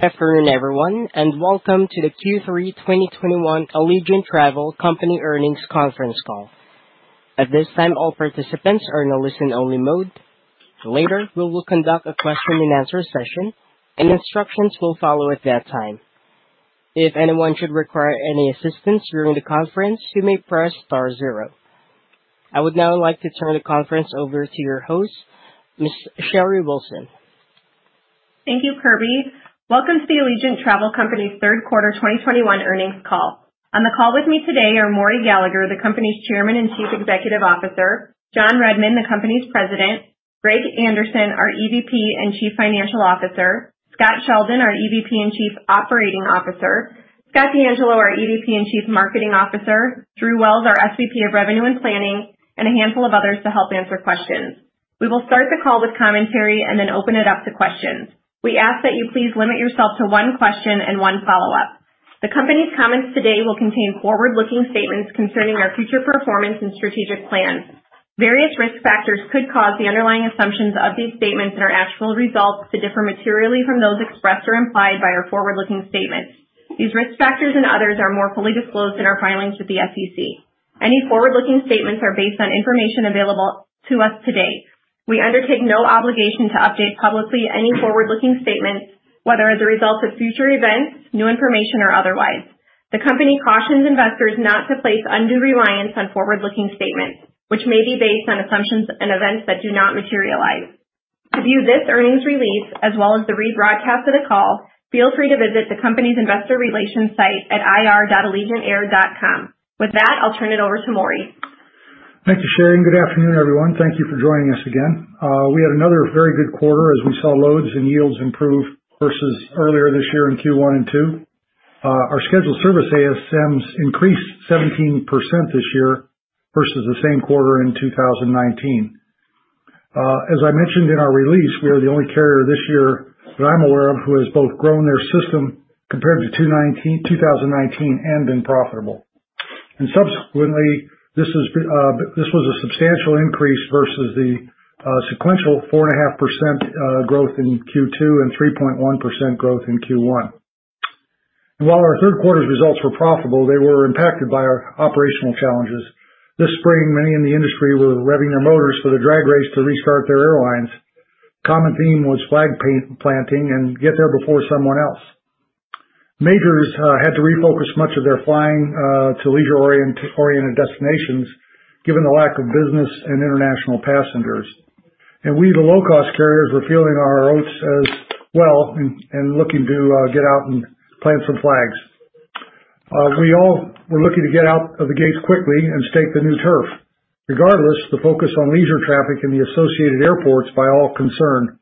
Good afternoon everyone, and welcome to the Q3 2021 Allegiant Travel Company earnings conference call. At this time, all participants are in a listen-only mode. Later, we will conduct a question-and-answer session and instructions will follow at that time. If anyone should require any assistance during the conference, you may press star zero. I would now like to turn the conference over to your host, Ms. Sherry Wilson. Thank you, Kirby. Welcome to the Allegiant Travel Company third quarter 2021 earnings call. On the call with me today are Maurice Gallagher, the company's Chairman and Chief Executive Officer. John Redmond, the company's President. Greg Anderson, our EVP and Chief Financial Officer. Scott Sheldon, our EVP and Chief Operating Officer. Scott DeAngelo, our EVP and Chief Marketing Officer. Drew Wells, our SVP of Revenue and Planning, and a handful of others to help answer questions. We will start the call with commentary and then open it up to questions. We ask that you please limit yourself to one question and one follow-up. The company's comments today will contain forward-looking statements concerning our future performance and strategic plans. Various risk factors could cause the underlying assumptions of these statements and our actual results to differ materially from those expressed or implied by our forward-looking statements. These risk factors and others are more fully disclosed in our filings with the SEC. Any forward-looking statements are based on information available to us to date. We undertake no obligation to update publicly any forward-looking statements, whether as a result of future events, new information or otherwise. The company cautions investors not to place undue reliance on forward-looking statements, which may be based on assumptions and events that do not materialize. To view this earnings release, as well as the rebroadcast of the call, feel free to visit the company's investor relations site at ir.allegiantair.com. With that, I'll turn it over to Maurice. Thank you, Sherry, and good afternoon, everyone. Thank you for joining us again. We had another very good quarter as we saw loads and yields improve versus earlier this year in Q1 and Q2. Our scheduled service ASMs increased 17% this year versus the same quarter in 2019. As I mentioned in our release, we are the only carrier this year that I'm aware of who has both grown their system compared to 2019 and been profitable. Subsequently, this was a substantial increase versus the sequential 4.5% growth in Q2 and 3.1% growth in Q1. While our third quarter results were profitable, they were impacted by our operational challenges. This spring, many in the industry were revving their motors for the drag race to restart their airlines. Common theme was flag planting and get there before someone else. Majors had to refocus much of their flying to leisure-oriented destinations given the lack of business and international passengers. We, the low-cost carriers, were feeling our oats as well and looking to get out and plant some flags. We all were looking to get out of the gates quickly and stake the new turf. Regardless, the focus on leisure traffic in the associated airports by all concerned.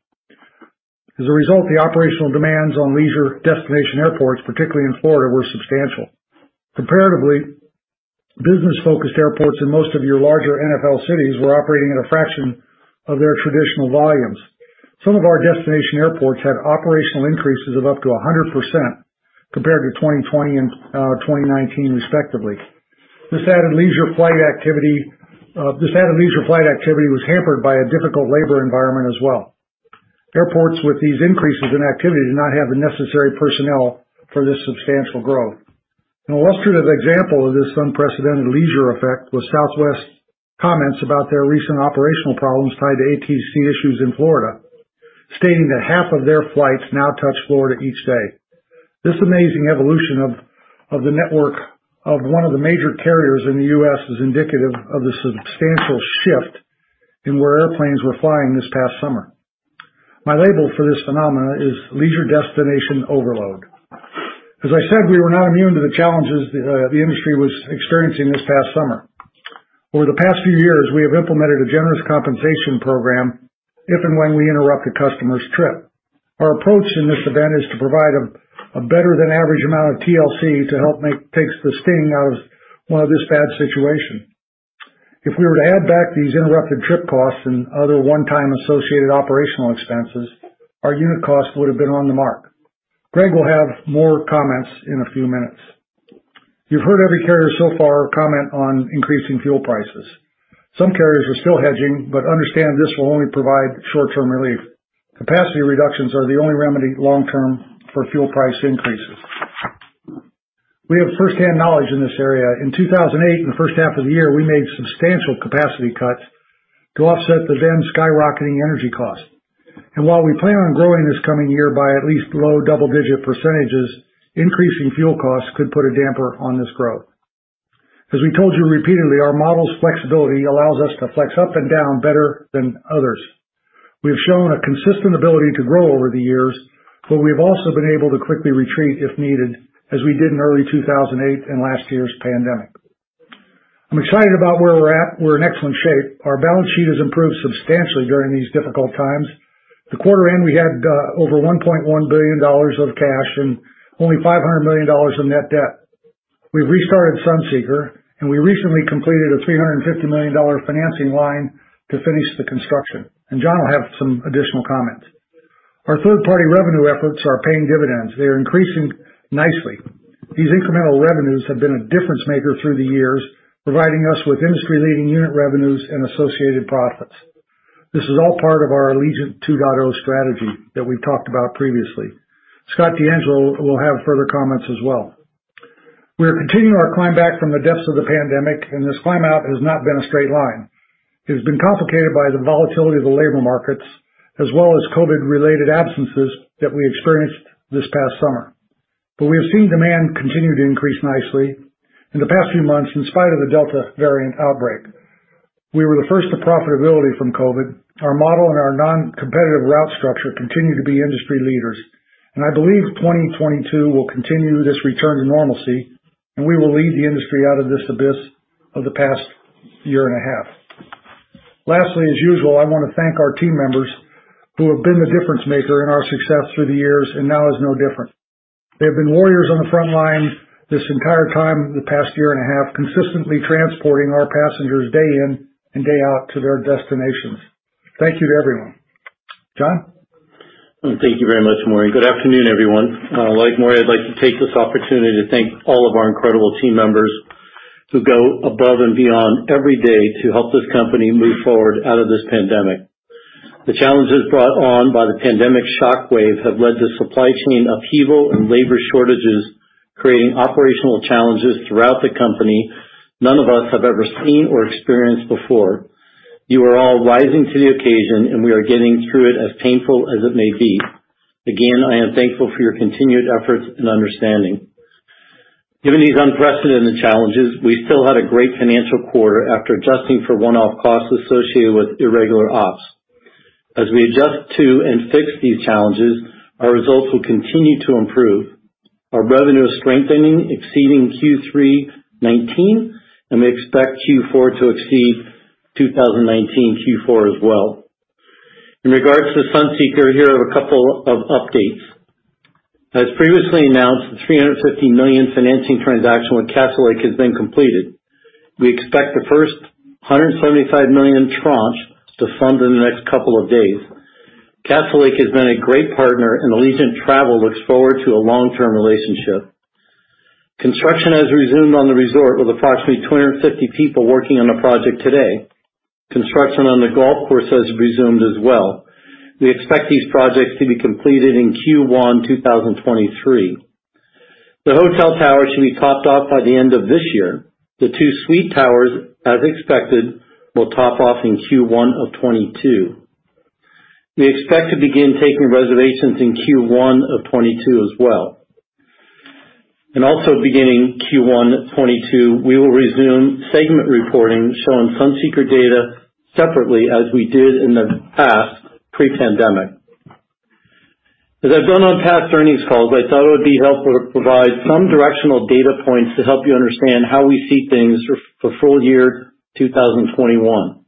As a result, the operational demands on leisure destination airports, particularly in Florida, were substantial. Comparatively, business-focused airports in most of your larger NFL cities were operating at a fraction of their traditional volumes. Some of our destination airports had operational increases of up to 100% compared to 2020 and 2019 respectively. This added leisure flight activity was hampered by a difficult labor environment as well. Airports with these increases in activity did not have the necessary personnel for this substantial growth. An illustrative example of this unprecedented leisure effect was Southwest's comments about their recent operational problems tied to ATC issues in Florida, stating that half of their flights now touch Florida each day. This amazing evolution of the network of one of the major carriers in the U.S. is indicative of the substantial shift in where airplanes were flying this past summer. My label for this phenomenon is leisure destination overload. As I said, we were not immune to the challenges the industry was experiencing this past summer. Over the past few years, we have implemented a generous compensation program if and when we interrupt a customer's trip. Our approach in this event is to provide a better than average amount of TLC to help take the sting out of one of these bad situations. If we were to add back these interrupted trip costs and other one-time associated operational expenses, our unit cost would have been on the mark. Greg will have more comments in a few minutes. You've heard every carrier so far comment on increasing fuel prices. Some carriers are still hedging, but understand this will only provide short-term relief. Capacity reductions are the only remedy long-term for fuel price increases. We have firsthand knowledge in this area. In 2008, in the first half of the year, we made substantial capacity cuts to offset the then skyrocketing energy costs. While we plan on growing this coming year by at least low double-digit percentages, increasing fuel costs could put a damper on this growth. As we told you repeatedly, our model's flexibility allows us to flex up and down better than others. We have shown a consistent ability to grow over the years, but we've also been able to quickly retreat if needed, as we did in early 2008 and last year's pandemic. I'm excited about where we're at. We're in excellent shape. Our balance sheet has improved substantially during these difficult times. At the quarter end, we had over $1.1 billion of cash and only $500 million in net debt. We've restarted Sunseeker, and we recently completed a $350 million financing line to finish the construction, and John will have some additional comments. Our third-party revenue efforts are paying dividends. They are increasing nicely. These incremental revenues have been a difference maker through the years, providing us with industry-leading unit revenues and associated profits. This is all part of our Allegiant 2.0 strategy that we've talked about previously. Scott DeAngelo will have further comments as well. We are continuing our climb back from the depths of the pandemic, and this climb-out has not been a straight line. It has been complicated by the volatility of the labor markets as well as COVID-related absences that we experienced this past summer. We have seen demand continue to increase nicely in the past few months in spite of the Delta variant outbreak. We were the first to profitability from COVID. Our model and our non-competitive route structure continue to be industry leaders, and I believe 2022 will continue this return to normalcy, and we will lead the industry out of this abyss of the past year and a half. Lastly, as usual, I wanna thank our team members who have been the difference maker in our success through the years, and now is no different. They have been warriors on the front lines this entire time, the past year and a half, consistently transporting our passengers day in and day out to their destinations. Thank you to everyone. John? Well, thank you very much, Maurice. Good afternoon, everyone. Like Maurice, I'd like to take this opportunity to thank all of our incredible team members who go above and beyond every day to help this company move forward out of this pandemic. The challenges brought on by the pandemic shockwave have led to supply chain upheaval and labor shortages, creating operational challenges throughout the company none of us have ever seen or experienced before. You are all rising to the occasion, and we are getting through it as painful as it may be. Again, I am thankful for your continued efforts and understanding. Given these unprecedented challenges, we still had a great financial quarter after adjusting for one-off costs associated with irregular operations. As we adjust to and fix these challenges, our results will continue to improve. Our revenue is strengthening, exceeding Q3 2019, and we expect Q4 to exceed 2019 Q4 as well. In regards to Sunseeker, here are a couple of updates. As previously announced, the $350 million financing transaction with Castlelake has been completed. We expect the first $175 million tranche to fund in the next couple of days. Castlelake has been a great partner, and Allegiant Travel looks forward to a long-term relationship. Construction has resumed on the resort with approximately 250 people working on the project today. Construction on the golf course has resumed as well. We expect these projects to be completed in Q1 2023. The hotel tower should be topped off by the end of this year. The two suite towers, as expected, will top off in Q1 2022. We expect to begin taking reservations in Q1 2022 as well. Also beginning Q1 2022, we will resume segment reporting, showing Sunseeker data separately as we did in the past pre-pandemic. As I've done on past earnings calls, I thought it would be helpful to provide some directional data points to help you understand how we see things for full year 2021.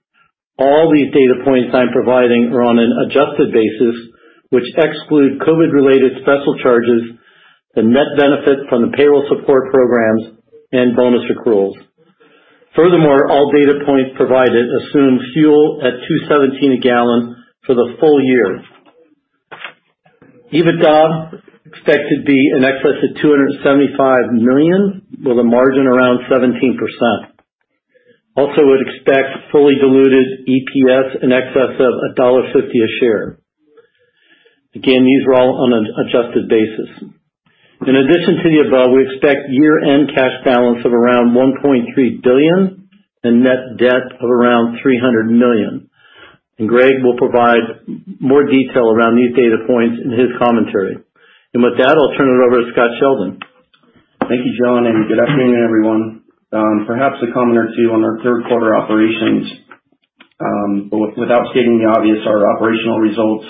All these data points I'm providing are on an adjusted basis, which exclude COVID-related special charges, the net benefit from the payroll support programs, and bonus accruals. Furthermore, all data points provided assume fuel at $2.17 a gallon for the full year. EBITDA expected to be in excess of $275 million, with a margin around 17%. Also would expect fully diluted EPS in excess of $1.50 a share. Again, these are all on an adjusted basis. In addition to the above, we expect year-end cash balance of around $1.3 billion and net debt of around $300 million. Greg will provide more detail around these data points in his commentary. With that, I'll turn it over to Scott Sheldon. Thank you, John, and good afternoon, everyone. Perhaps a comment or two on our third quarter operations. Without stating the obvious, our operational results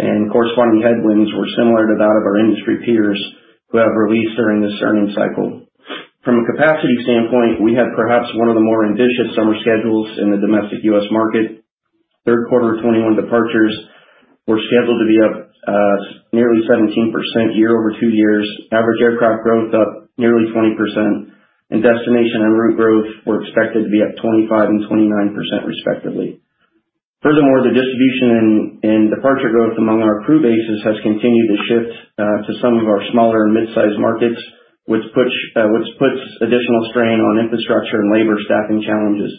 and corresponding headwinds were similar to that of our industry peers who have released during this earnings cycle. From a capacity standpoint, we had perhaps one of the more ambitious summer schedules in the domestic U.S. market. Third quarter of 2021 departures were scheduled to be up nearly 17% year-over-years. Average aircraft growth up nearly 20%, and destination and route growth were expected to be up 25% and 29% respectively. Furthermore, the distribution and departure growth among our crew bases has continued to shift to some of our smaller mid-sized markets, which puts additional strain on infrastructure and labor staffing challenges.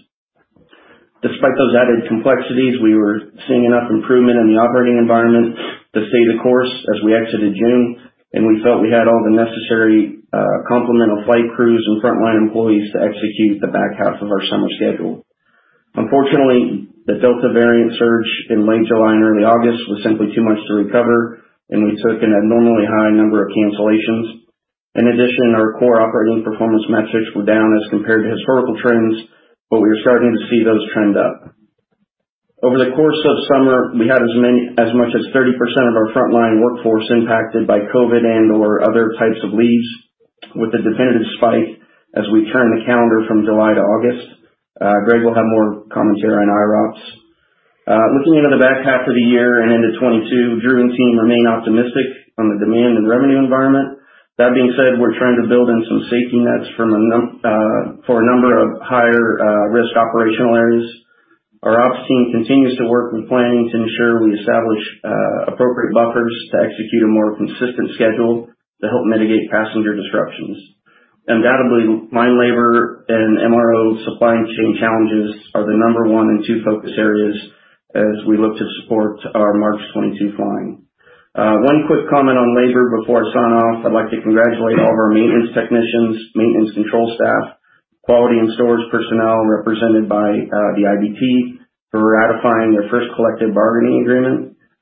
Despite those added complexities, we were seeing enough improvement in the operating environment to stay the course as we exited June, and we felt we had all the necessary complementary flight crews and frontline employees to execute the back half of our summer schedule. Unfortunately, the Delta variant surge in late July and early August was simply too much to recover, and we took an abnormally high number of cancellations. In addition, our core operating performance metrics were down as compared to historical trends, but we are starting to see those trend up. Over the course of summer, we had as much as 30% of our frontline workforce impacted by COVID and or other types of leaves with a definitive spike as we turn the calendar from July to August. Greg will have more commentary on IROPS. Looking into the back half of the year and into 2022, Drew and team remain optimistic on the demand and revenue environment. That being said, we're trying to build in some safety nets for a number of higher risk operational areas. Our operations team continues to work with planning to ensure we establish appropriate buffers to execute a more consistent schedule to help mitigate passenger disruptions. Undoubtedly, our labor and MRO supply chain challenges are the number one and two focus areas as we look to support our March 2022 flying. One quick comment on labor before I sign off. I'd like to congratulate all of our maintenance technicians, maintenance control staff, quality and storage personnel represented by the IBT for ratifying their first collective bargaining agreement.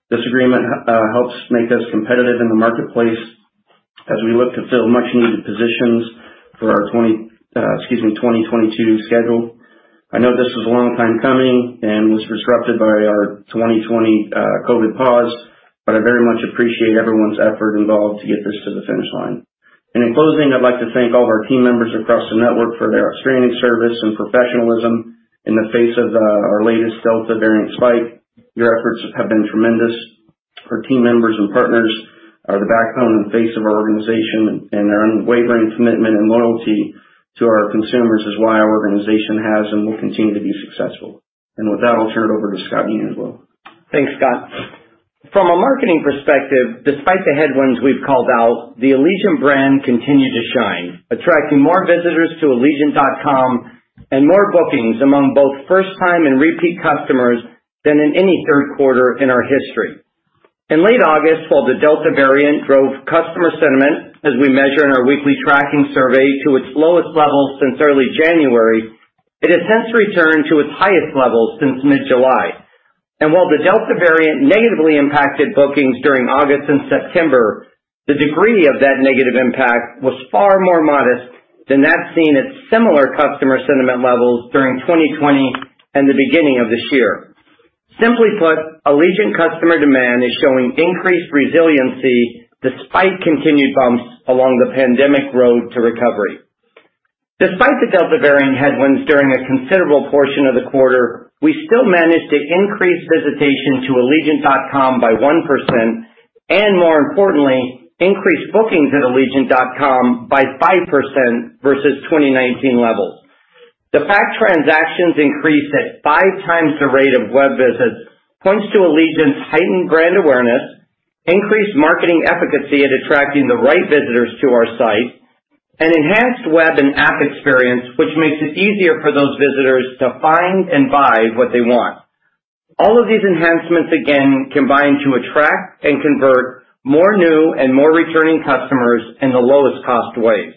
This agreement helps make us competitive in the marketplace as we look to fill much needed positions for our 2022 schedule. I know this was a long time coming and was disrupted by our 2020 COVID pause, but I very much appreciate everyone's effort involved to get this to the finish line. In closing, I'd like to thank all of our team members across the network for their outstanding service and professionalism in the face of our latest Delta variant spike. Your efforts have been tremendous. Our team members and partners are the backbone and face of our organization, and their unwavering commitment and loyalty to our consumers is why our organization has and will continue to be successful. With that, I'll turn it over to Scott DeAngelo as well. Thanks, Scott. From a marketing perspective, despite the headwinds we've called out, the Allegiant brand continued to shine, attracting more visitors to Allegiant.com and more bookings among both first time and repeat customers than in any third quarter in our history. In late August, while the Delta variant drove customer sentiment, as we measure in our weekly tracking survey, to its lowest levels since early January, it has since returned to its highest levels since mid-July. While the Delta variant negatively impacted bookings during August and September, the degree of that negative impact was far more modest than that seen at similar customer sentiment levels during 2020 and the beginning of this year. Simply put, Allegiant customer demand is showing increased resiliency despite continued bumps along the pandemic road to recovery. Despite the Delta variant headwinds during a considerable portion of the quarter, we still managed to increase visitation to Allegiant.com by 1% and, more importantly, increase bookings at Allegiant.com by 5% versus 2019 levels. The fact transactions increased at five times the rate of web visits points to Allegiant's heightened brand awareness, increased marketing efficacy at attracting the right visitors to our site, and enhanced web and app experience, which makes it easier for those visitors to find and buy what they want. All of these enhancements again combine to attract and convert more new and more returning customers in the lowest cost way.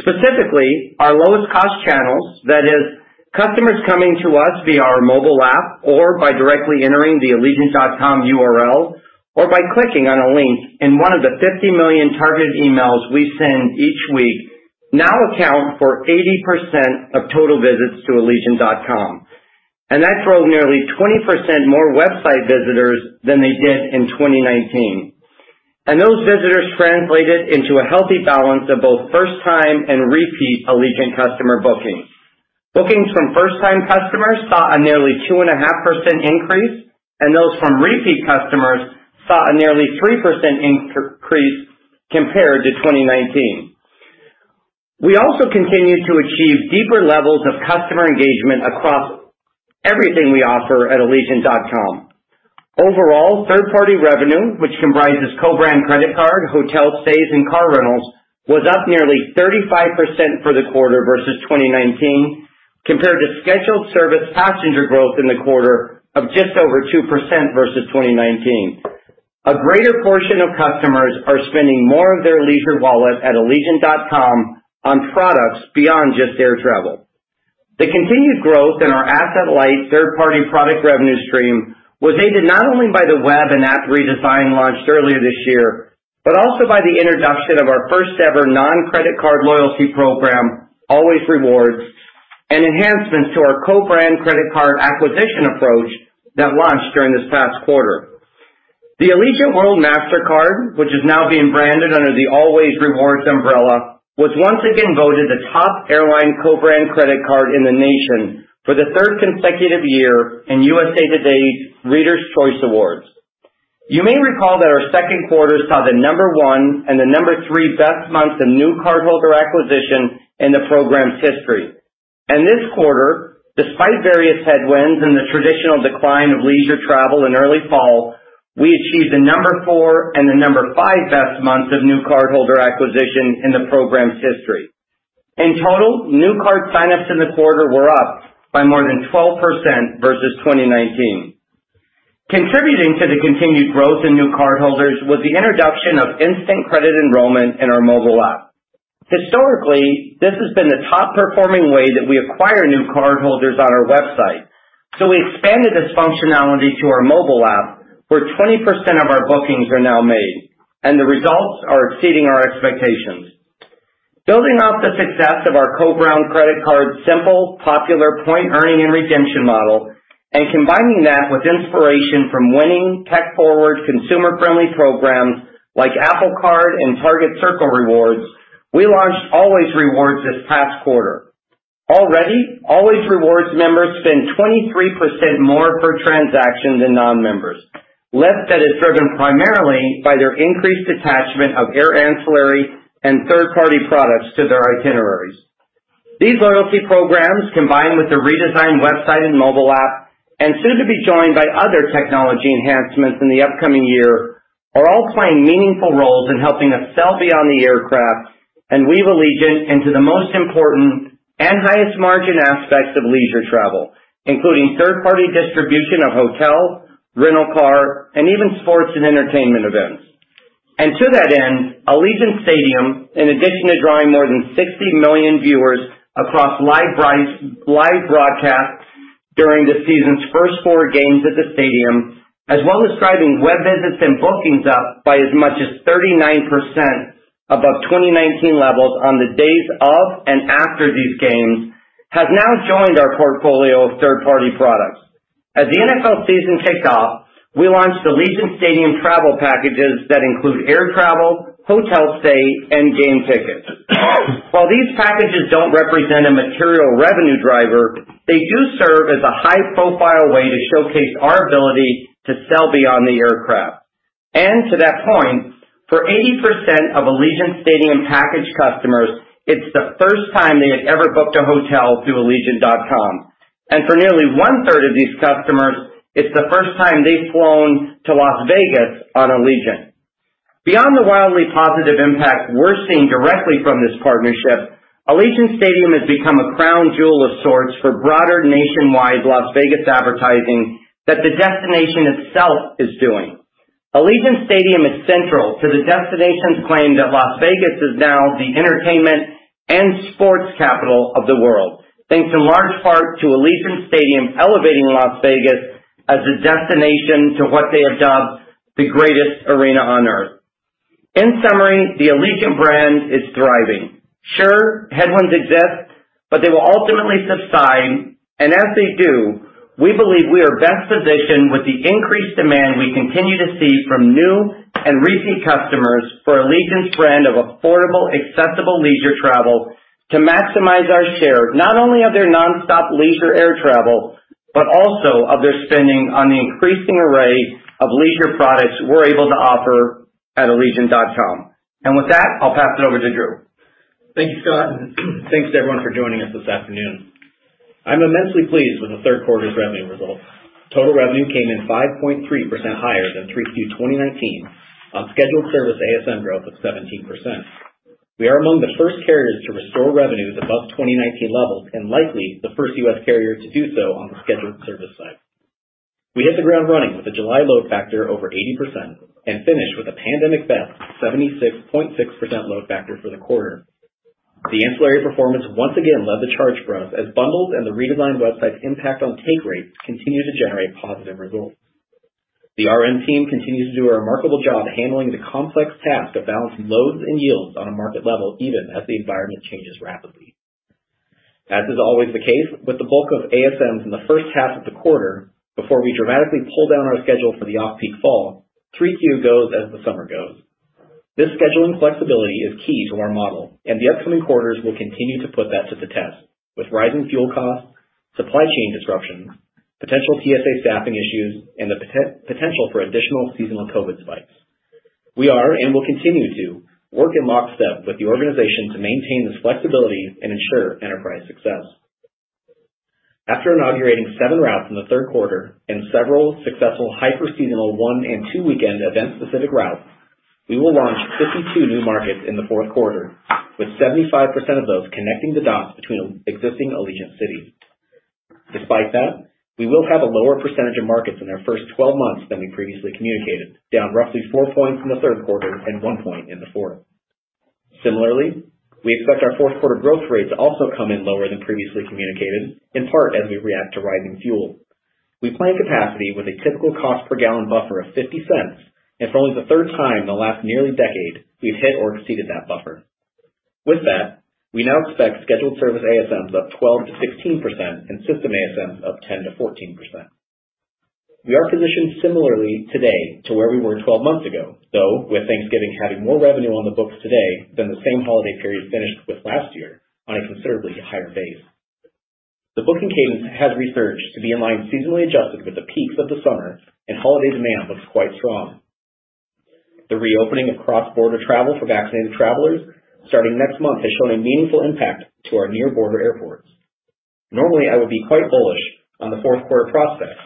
Specifically, our lowest cost channels, that is, customers coming to us via our mobile app or by directly entering the Allegiant.com URL, or by clicking on a link in one of the 50 million targeted emails we send each week now account for 80% of total visits to Allegiant.com. That drove nearly 20% more website visitors than they did in 2019. Those visitors translated into a healthy balance of both first time and repeat Allegiant customer bookings. Bookings from first time customers saw a nearly 2.5% increase, and those from repeat customers saw a nearly 3% increase compared to 2019. We also continued to achieve deeper levels of customer engagement across everything we offer at Allegiant.com. Overall, third-party revenue, which comprises co-brand credit card, hotel stays, and car rentals, was up nearly 35% for the quarter versus 2019 compared to scheduled service passenger growth in the quarter of just over 2% versus 2019. A greater portion of customers are spending more of their leisure wallet at Allegiant.com on products beyond just air travel. The continued growth in our asset-light third-party product revenue stream was aided not only by the web and app redesign launched earlier this year, but also by the introduction of our first ever non-credit card loyalty program, Allways Rewards, and enhancements to our co-brand credit card acquisition approach that launched during this past quarter. The Allegiant World Mastercard, which is now being branded under the Allways Rewards umbrella, was once again voted the top airline co-brand credit card in the nation for the third consecutive year in USA Today's Readers' Choice Awards. You may recall that our second quarter saw the number 1 and the number 3 best months of new cardholder acquisition in the program's history. This quarter, despite various headwinds and the traditional decline of leisure travel in early fall, we achieved the number 4 and the number 5 best months of new cardholder acquisition in the program's history. In total, new card sign-ups in the quarter were up by more than 12% versus 2019. Contributing to the continued growth in new cardholders was the introduction of instant credit enrollment in our mobile app. Historically, this has been the top performing way that we acquire new cardholders on our website. We expanded this functionality to our mobile app, where 20% of our bookings are now made, and the results are exceeding our expectations. Building off the success of our co-brand credit card's simple popular point earning and redemption model and combining that with inspiration from winning tech-forward consumer-friendly programs like Apple Card and Target Circle Rewards, we launched Allways Rewards this past quarter. Already, Allways Rewards members spend 23% more per transaction than non-members. Lift that is driven primarily by their increased attachment of air ancillary and third-party products to their itineraries. These loyalty programs, combined with the redesigned website and mobile app, and soon to be joined by other technology enhancements in the upcoming year, are all playing meaningful roles in helping us sell beyond the aircraft and weave Allegiant into the most important and highest margin aspects of leisure travel, including third-party distribution of hotel, rental car, and even sports and entertainment events. To that end, Allegiant Stadium, in addition to drawing more than 60 million viewers across live broadcasts during the season's first four games at the stadium, as well as driving web visits and bookings up by as much as 39% above 2019 levels on the days of, and after these games, have now joined our portfolio of third-party products. As the NFL season kicked off, we launched Allegiant Stadium travel packages that include air travel, hotel stay, and game tickets. While these packages don't represent a material revenue driver, they do serve as a high-profile way to showcase our ability to sell beyond the aircraft. To that point, for 80% of Allegiant Stadium package customers, it's the first time they had ever booked a hotel through Allegiant.com. For nearly one-third of these customers, it's the first time they've flown to Las Vegas on Allegiant. Beyond the wildly positive impact we're seeing directly from this partnership, Allegiant Stadium has become a crown jewel of sorts for broader nationwide Las Vegas advertising that the destination itself is doing. Allegiant Stadium is central to the destination's claim that Las Vegas is now the entertainment and sports capital of the world, thanks in large part to Allegiant Stadium elevating Las Vegas as a destination to what they have dubbed the Greatest Arena on Earth. In summary, the Allegiant brand is thriving. Sure, headwinds exist, but they will ultimately subside. As they do, we believe we are best positioned with the increased demand we continue to see from new and repeat customers for Allegiant's brand of affordable, accessible leisure travel to maximize our share, not only of their nonstop leisure air travel, but also of their spending on the increasing array of leisure products we're able to offer at Allegiant.com. With that, I'll pass it over to Drew. Thank you, Scott, and thanks to everyone for joining us this afternoon. I'm immensely pleased with the third quarter's revenue results. Total revenue came in 5.3% higher than Q3 2019 on scheduled service ASM growth of 17%. We are among the first carriers to restore revenues above 2019 levels and likely the first U.S. carrier to do so on the scheduled service side. We hit the ground running with a July load factor over 80% and finished with a pandemic best 76.6% load factor for the quarter. The ancillary performance once again led the charge for us as bundles and the redesigned website's impact on take rates continue to generate positive results. The RM team continues to do a remarkable job handling the complex task of balancing loads and yields on a market level, even as the environment changes rapidly. As is always the case, with the bulk of ASMs in the first half of the quarter before we dramatically pull down our schedule for the off-peak fall, Q3 goes as the summer goes. This scheduling flexibility is key to our model, and the upcoming quarters will continue to put that to the test with rising fuel costs, supply chain disruptions, potential TSA staffing issues, and the potential for additional seasonal COVID spikes. We are, and will continue to, work in lockstep with the organization to maintain this flexibility and ensure enterprise success. After inaugurating seven routes in the third quarter and several successful hyper-seasonal 1- and 2-weekend event-specific routes, we will launch 52 new markets in the fourth quarter, with 75% of those connecting the dots between existing Allegiant cities. Despite that, we will have a lower percentage of markets in our first 12 months than we previously communicated, down roughly four points in the third quarter and one point in the fourth. Similarly, we expect our fourth quarter growth rate to also come in lower than previously communicated, in part as we react to rising fuel. We plan capacity with a typical cost per gallon buffer of 50 cents, and for only the third time in the last nearly decade, we've hit or exceeded that buffer. With that, we now expect scheduled service ASMs up 12%-16% and system ASMs up 10%-14%. We are positioned similarly today to where we were 12 months ago, though with Thanksgiving having more revenue on the books today than the same holiday period finished with last year on a considerably higher base. The booking cadence has resurged to be in line seasonally adjusted with the peaks of the summer, and holiday demand looks quite strong. The reopening of cross-border travel for vaccinated travelers starting next month has shown a meaningful impact to our near border airports. Normally, I would be quite bullish on the fourth quarter prospects.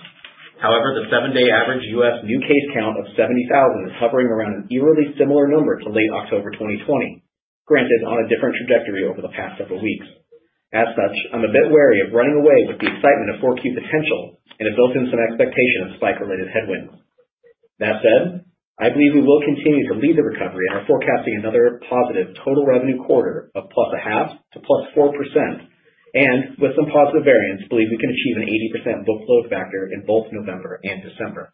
However, the seven-day average U.S. new case count of 70,000 is hovering around an eerily similar number to late October 2020, granted on a different trajectory over the past several weeks. As such, I'm a bit wary of running away with the excitement of Q4 potential and have built in some expectation of spike-related headwinds. That said, I believe we will continue to lead the recovery and are forecasting another positive total revenue quarter of +0.5% to +4% and with some positive variance, believe we can achieve an 80% book load factor in both November and December.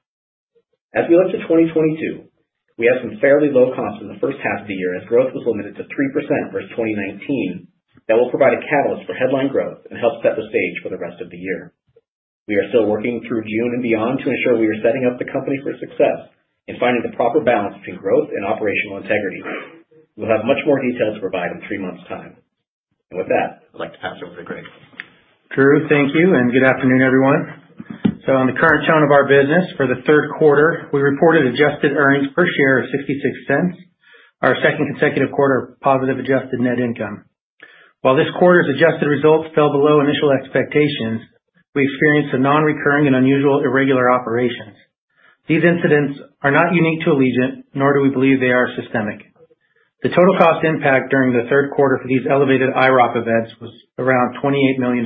As we look to 2022, we have some fairly low comps in the first half of the year as growth was limited to 3% versus 2019. That will provide a catalyst for headline growth and help set the stage for the rest of the year. We are still working through June and beyond to ensure we are setting up the company for success in finding the proper balance between growth and operational integrity. We'll have much more detail to provide in three months' time. With that, I'd like to pass over to Greg. Drew, thank you, and good afternoon, everyone. On the current tone of our business for the third quarter, we reported adjusted earnings per share of 66 cents, our second consecutive quarter positive adjusted net income. While this quarter's adjusted results fell below initial expectations, we experienced some non-recurring and unusual irregular operations. These incidents are not unique to Allegiant, nor do we believe they are systemic. The total cost impact during the third quarter for these elevated IROPS events was around $28 million.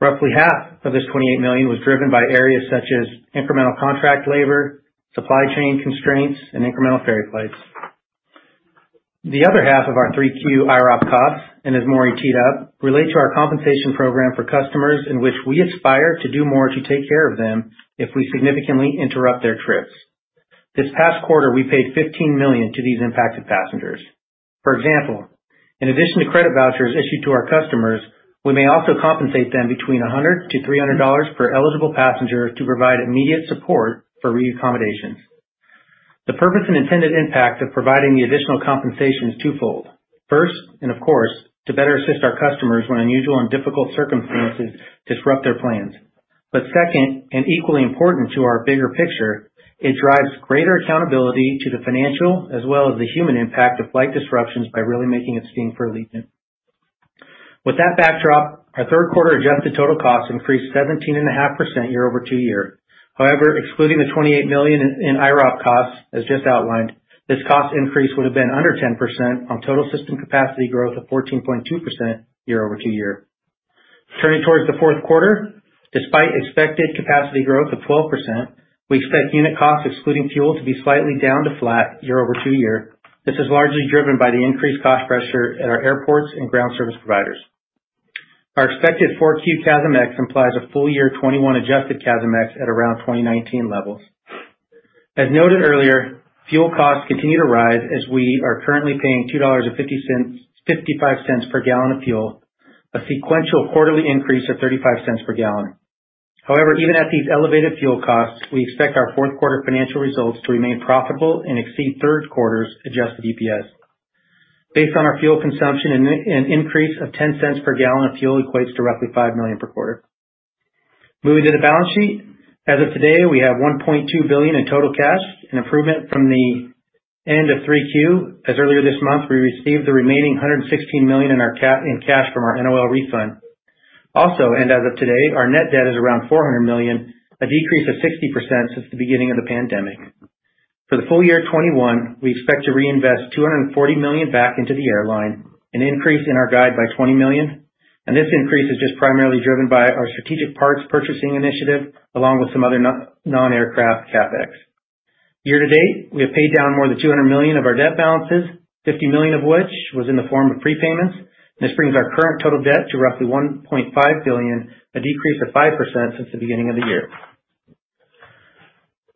Roughly half of this $28 million was driven by areas such as incremental contract labor, supply chain constraints, and incremental ferry flights. The other half of our Q3 IROPS costs, and as Maurice teed up, relate to our compensation program for customers in which we aspire to do more to take care of them if we significantly interrupt their trips. This past quarter, we paid $15 million to these impacted passengers. For example, in addition to credit vouchers issued to our customers, we may also compensate them between $100-$300 per eligible passenger to provide immediate support for re-accommodation. The purpose and intended impact of providing the additional compensation is twofold. First, and of course, to better assist our customers when unusual and difficult circumstances disrupt their plans. Second, and equally important to our bigger picture, it drives greater accountability to the financial as well as the human impact of flight disruptions by really making it sting for Allegiant. With that backdrop, our third quarter adjusted total cost increased 17.5% year-over-year. However, excluding the $28 million in IROPS costs as just outlined, this cost increase would have been under 10% on total system capacity growth of 14.2% year-over-year. Turning towards the fourth quarter, despite expected capacity growth of 12%, we expect unit costs excluding fuel to be slightly down to flat year-over-year. This is largely driven by the increased cost pressure at our airports and ground service providers. Our expected Q4 CASM ex implies a full-year 2021 adjusted CASM ex at around 2019 levels. As noted earlier, fuel costs continue to rise as we are currently paying $2.55 per gallon of fuel, a sequential quarterly increase of 35 cents per gallon. However, even at these elevated fuel costs, we expect our fourth quarter financial results to remain profitable and exceed third quarter's adjusted EPS. Based on our fuel consumption, an increase of 10 cents per gallon of fuel equates to roughly $5 million per quarter. Moving to the balance sheet. As of today, we have $1.2 billion in total cash, an improvement from the end of Q3, as earlier this month, we received the remaining $116 million in cash from our NOL refund. Also, as of today, our net debt is around $400 million, a decrease of 60% since the beginning of the pandemic. For the full year 2021, we expect to reinvest $240 million back into the airline, an increase in our guide by $20 million. This increase is just primarily driven by our strategic parts purchasing initiative, along with some other non-aircraft CapEx. Year to date, we have paid down more than $200 million of our debt balances, $50 million of which was in the form of prepayments. This brings our current total debt to roughly $1.5 billion, a decrease of 5% since the beginning of the year.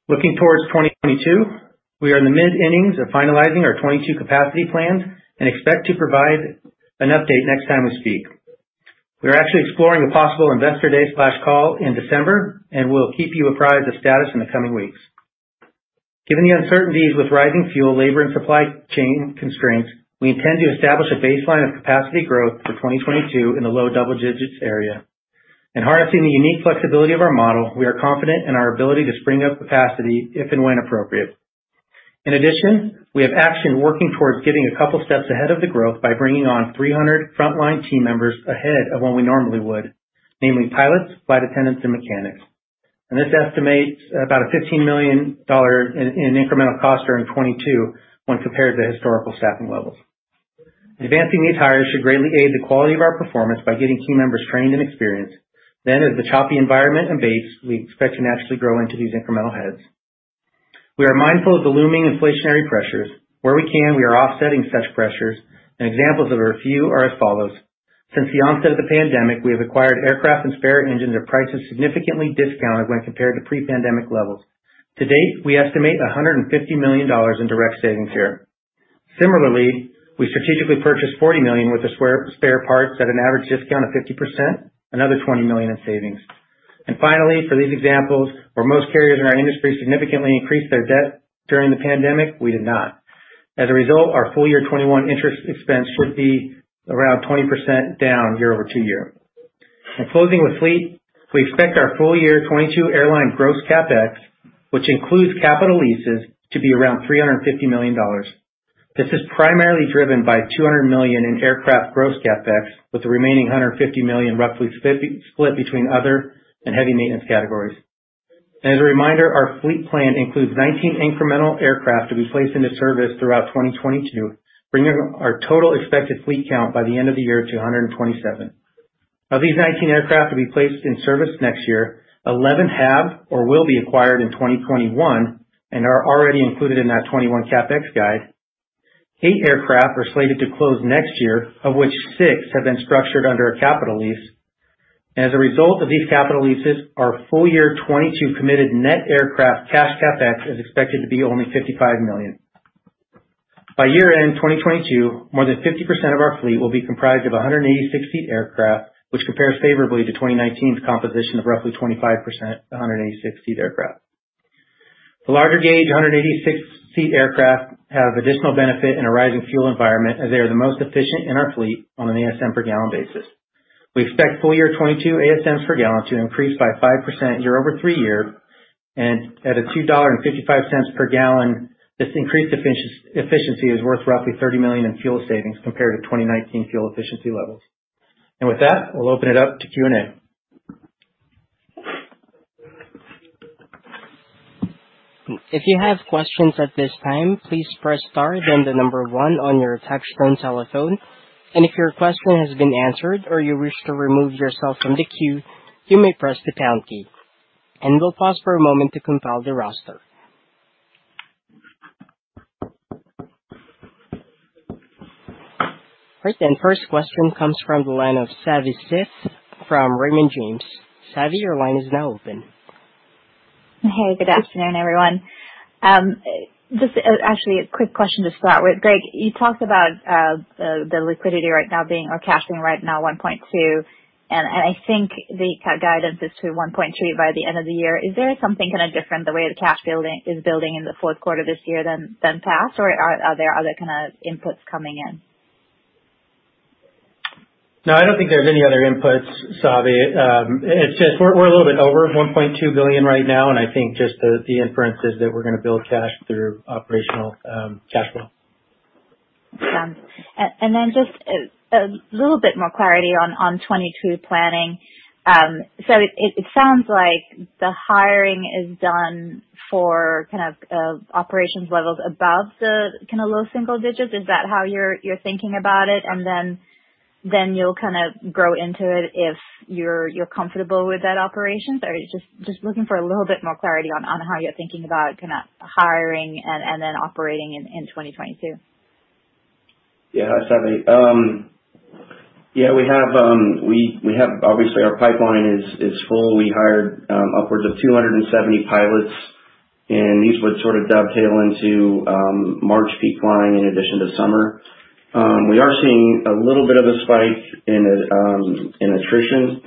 Looking towards 2022, we are in the mid-innings of finalizing our 2022 capacity plans and expect to provide an update next time we speak. We are actually exploring a possible investor day/call in December, and we'll keep you apprised of status in the coming weeks. Given the uncertainties with rising fuel, labor, and supply chain constraints, we intend to establish a baseline of capacity growth for 2022 in the low double digits area. Enhancing the unique flexibility of our model, we are confident in our ability to spring up capacity if and when appropriate. In addition, we have taken action working towards getting a couple steps ahead of the growth by bringing on 300 frontline team members ahead of when we normally would, namely pilots, flight attendants, and mechanics. This equates to about $15 million in incremental costs during 2022 when compared to historical staffing levels. Advancing these hires should greatly aid the quality of our performance by getting team members trained and experienced. As the choppy environment abates, we expect to naturally grow into these incremental heads. We are mindful of the looming inflationary pressures. Where we can, we are offsetting such pressures, and examples of a few are as follows. Since the onset of the pandemic, we have acquired aircraft and spare engines at prices significantly discounted when compared to pre-pandemic levels. To date, we estimate $150 million in direct savings here. Similarly, we strategically purchased $40 million worth of spare parts at an average discount of 50%, another $20 million in savings. Finally, for these examples, where most carriers in our industry significantly increased their debt during the pandemic, we did not. As a result, our full year 2021 interest expense should be around 20% down year-over-year. In closing with fleet, we expect our full year 2022 airline gross CapEx, which includes capital leases, to be around $350 million. This is primarily driven by $200 million in aircraft gross CapEx, with the remaining $150 million roughly 50/50 split between other and heavy maintenance categories. Our fleet plan includes 19 incremental aircraft to be placed into service throughout 2022, bringing our total expected fleet count by the end of the year to 127. Of these 19 aircraft to be placed in service next year, 11 have or will be acquired in 2021 and are already included in that 2021 CapEx guide. Eight aircraft are slated to close next year, of which six have been structured under a capital lease. As a result of these capital leases, our full year 2022 committed net aircraft cash CapEx is expected to be only $55 million. By year-end 2022, more than 50% of our fleet will be comprised of 186-seat aircraft, which compares favorably to 2019's composition of roughly 25% to 186-seat aircraft. The larger-gauge 186-seat aircraft have additional benefit in a rising fuel environment as they are the most efficient in our fleet on an ASM-per-gallon basis. We expect full-year 2022 ASMs per gallon to increase by 5% year-over-year and at $2.55 per gallon, this increased efficiency is worth roughly $30 million in fuel savings compared to 2019 fuel efficiency levels. With that, we'll open it up to Q&A. If you have questions at this time, please press star then the number one on your touchtone telephone. If your question has been answered or you wish to remove yourself from the queue, you may press the pound key. We'll pause for a moment to compile the roster. All right then. First question comes from the line of Savanthi Syth from Raymond James. Savi, your line is now open. Good afternoon, everyone. Just, actually a quick question to start with. Greg, you talked about the liquidity right now being our cash being right now $1.2 billion, and I think the Q guidance is to $1.2 billion by the end of the year. Is there something kind of different the way the cash is building in the fourth quarter this year than past, or are there other kind of inputs coming in? No, I don't think there's any other inputs, Savi. It's just we're a little bit over $1.2 billion right now, and I think just the inference is that we're gonna build cash through operational cash flows. Just a little bit more clarity on 2022 planning. It sounds like the hiring is done for kind of operations levels above the kind of low single digits. Is that how you're thinking about it? You'll kind of grow into it if you're comfortable with that operations. Just looking for a little bit more clarity on how you're thinking about kinda hiring and then operating in 2022. Yeah, Savi. Yeah, we have obviously our pipeline is full. We hired upwards of 270 pilots, and these would sort of dovetail into March peak flying in addition to summer. We are seeing a little bit of a spike in attrition,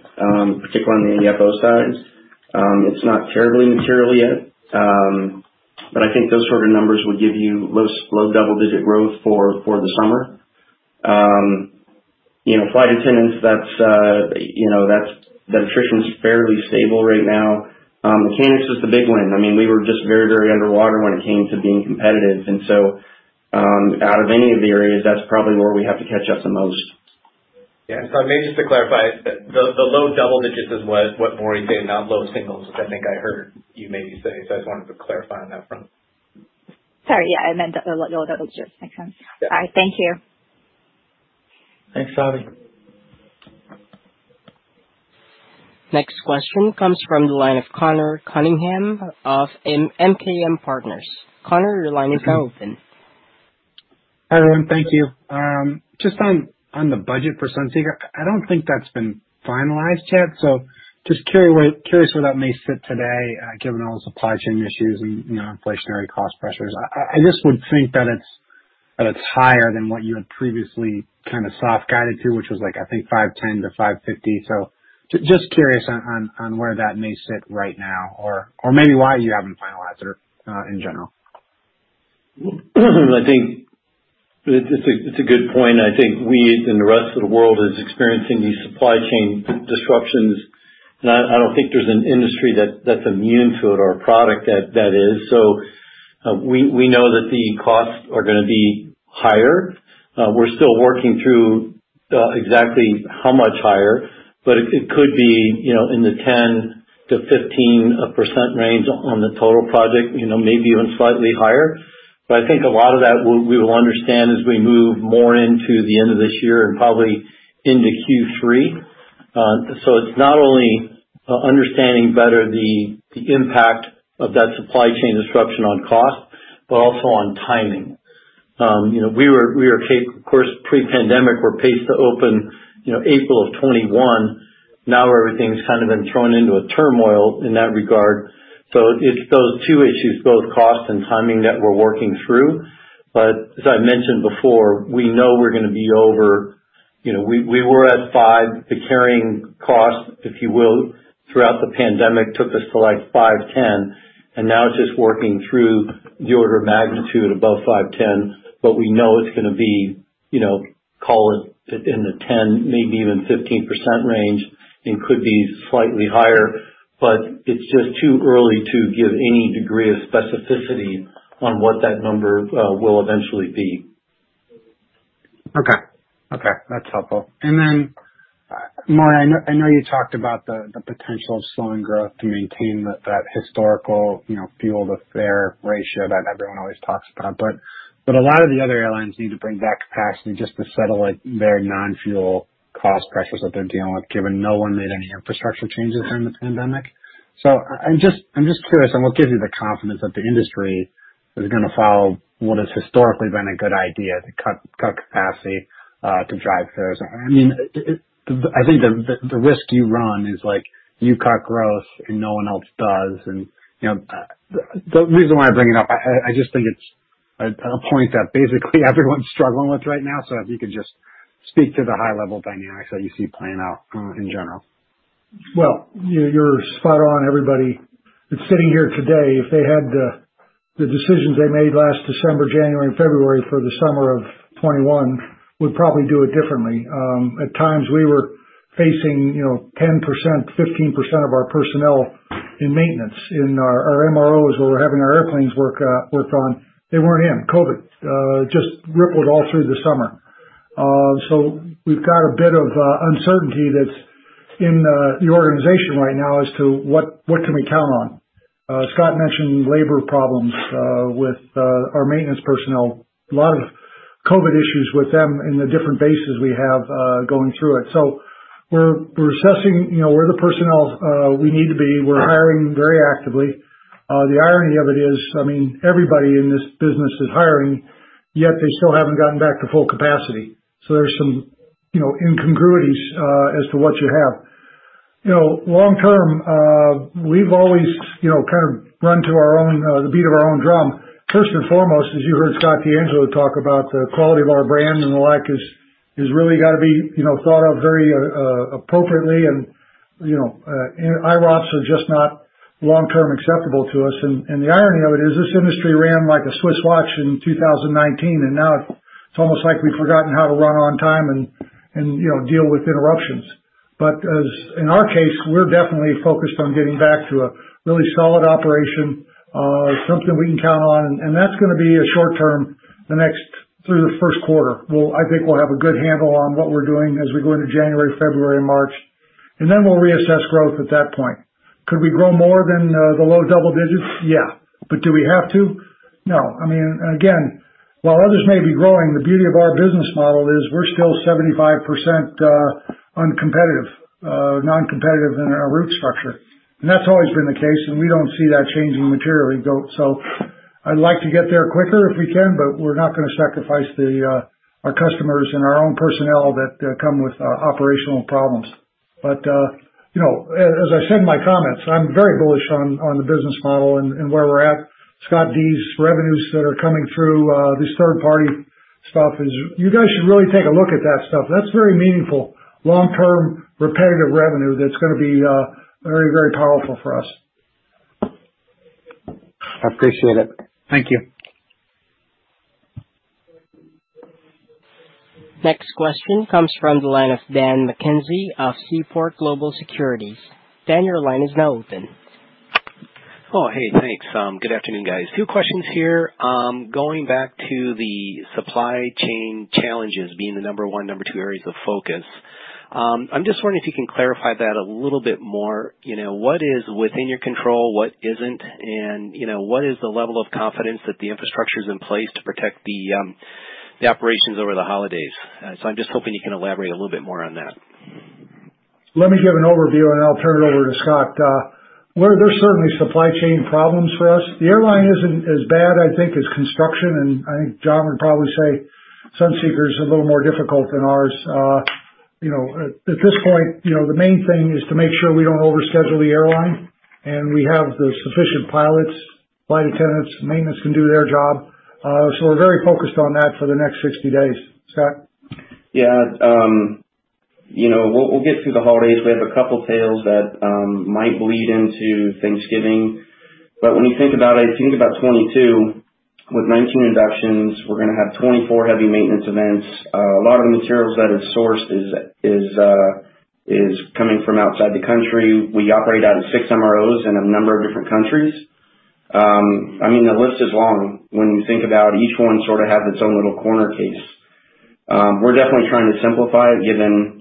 particularly on the FA side. It's not terribly material yet, but I think those sort of numbers would give you low double-digit growth for the summer. You know, flight attendants, that's you know, that's that attrition's fairly stable right now. Mechanics is the big one. I mean, we were just very underwater when it came to being competitive. Out of any of the areas, that's probably where we have to catch up the most. Yeah. Maybe just to clarify, the low double digits is what Maurice said, not low singles, which I think I heard you maybe say. I just wanted to clarify on that front. Sorry. Yeah. I meant low double digits. Makes sense. Yeah. All right. Thank you. Thanks, Savi. Next question comes from the line of Conor Cunningham of MKM Partners. Conor, your line is now open. Hi, everyone. Thank you. Just on the budget for Sunseeker. I don't think that's been finalized yet, so just curious where that may sit today, given all the supply chain issues and you know, inflationary cost pressures. I just would think that it's higher than what you had previously kind of soft guided to, which was like I think $510 million-$550 million. Just curious on where that may sit right now or maybe why you haven't finalized it, in general. I think it's a good point, and I think we and the rest of the world is experiencing these supply chain disruptions. I don't think there's an industry that's immune to it or a product that is. We know that the costs are gonna be higher. We're still working through exactly how much higher, but it could be, you know, in the 10%-15% range on the total project, you know, maybe even slightly higher. I think a lot of that we will understand as we move more into the end of this year and probably into Q3. It's not only understanding better the impact of that supply chain disruption on cost, but also on timing. We were of course, pre-pandemic, we were paced to open, you know, April of 2021. Now, everything's kind of been thrown into a turmoil in that regard. It's those two issues, both cost and timing, that we're working through. As I mentioned before, we know we're gonna be over, we were at 5%. The carrying cost, if you will, throughout the pandemic, took us to like 5%-10%, and now it's just working through the order of magnitude above 5%-10%. We know it's gonna be, you know, call it in the 10%, maybe even 15% range and could be slightly higher, but it's just too early to give any degree of specificity on what that number will eventually be. Okay. Okay, that's helpful. Then, Maurice, I know you talked about the potential of slowing growth to maintain that historical, you know, fuel to fare ratio that everyone always talks about. A lot of the other airlines need to bring back capacity just to settle, like, their non-fuel cost pressures that they're dealing with, given no one made any infrastructure changes during the pandemic. I'm just curious on what gives you the confidence that the industry is gonna follow what has historically been a good idea to cut capacity to drive fares. I mean, it. I think the risk you run is, like, you cut growth and no one else does. You know, the reason why I bring it up, I just think it's a point that basically everyone's struggling with right now. If you could just speak to the high level dynamics that you see playing out in general. Well, you're spot on. Everybody that's sitting here today, if they had the decisions they made last December, January and February for the summer of 2021 would probably do it differently. At times we were facing,10%-15% of our personnel in maintenance. In our MROs where we're having our airplanes worked on, they weren't in. COVID just rippled all through the summer. We've got a bit of uncertainty that's in the organization right now as to what we can count on. Scott mentioned labor problems with our maintenance personnel. A lot of COVID issues with them in the different bases we have going through it. We're assessing, you know, where the personnel we need to be. We're hiring very actively. The irony of it is, I mean, everybody in this business is hiring, yet they still haven't gotten back to full capacity. There's some, you know, incongruities, as to what you have. You know, long-term, we've always, you know, kind of run to the beat of our own drum. First and foremost, as you heard Scott DeAngelo talk about the quality of our brand and the like is really gotta be, you know, thought of very, appropriately. You know, IROPs are just not long-term acceptable to us. The irony of it is this industry ran like a Swiss watch in 2019, and now it's almost like we've forgotten how to run on time and, you know, deal with interruptions. As... In our case, we're definitely focused on getting back to a really solid operation, something we can count on, and that's gonna be a short-term, the next through the first quarter. I think we'll have a good handle on what we're doing as we go into January, February and March, and then we'll reassess growth at that point. Could we grow more than the low double digits? Yeah, but do we have to? No. I mean, and again, while others may be growing, the beauty of our business model is we're still 75%, uncompetitive, non-competitive in our route structure. That's always been the case, and we don't see that changing materially, though. I'd like to get there quicker if we can, but we're not gonna sacrifice our customers and our own personnel that come with operational problems. You know, as I said in my comments, I'm very bullish on the business model and where we're at. Scott, these revenues that are coming through this third-party stuff is. You guys should really take a look at that stuff. That's very meaningful long-term repetitive revenue that's gonna be very, very powerful for us. I appreciate it. Thank you. Next question comes from the line of Dan McKenzie of Seaport Global Securities. Dan, your line is now open. Oh, hey. Thanks. Good afternoon, guys. Two questions here. Going back to the supply chain challenges being the number one, number two areas of focus, I'm just wondering if you can clarify that a little bit more. You know, what is within your control, what isn't, and, you know, what is the level of confidence that the infrastructure's in place to protect the the operations over the holidays? So I'm just hoping you can elaborate a little bit more on that. Let me give an overview, and I'll turn it over to Scott. There's certainly supply chain problems for us. The airline isn't as bad, I think, as construction, and I think John would probably say Sunseeker's a little more difficult than ours. You know, at this point, you know, the main thing is to make sure we don't overschedule the airline, and we have the sufficient pilots, flight attendants, maintenance can do their job. So we're very focused on that for the next 60 days. Scott? Yeah. You know, we'll get through the holidays. We have a couple tails that might bleed into Thanksgiving. When you think about it, if you think about 2022, with 19 inductions, we're gonna have 24 heavy maintenance events. A lot of the materials that is sourced is coming from outside the country. We operate out of 6 MROs in a number of different countries. I mean, the list is long when you think about each one sort of has its own little corner case. We're definitely trying to simplify it given,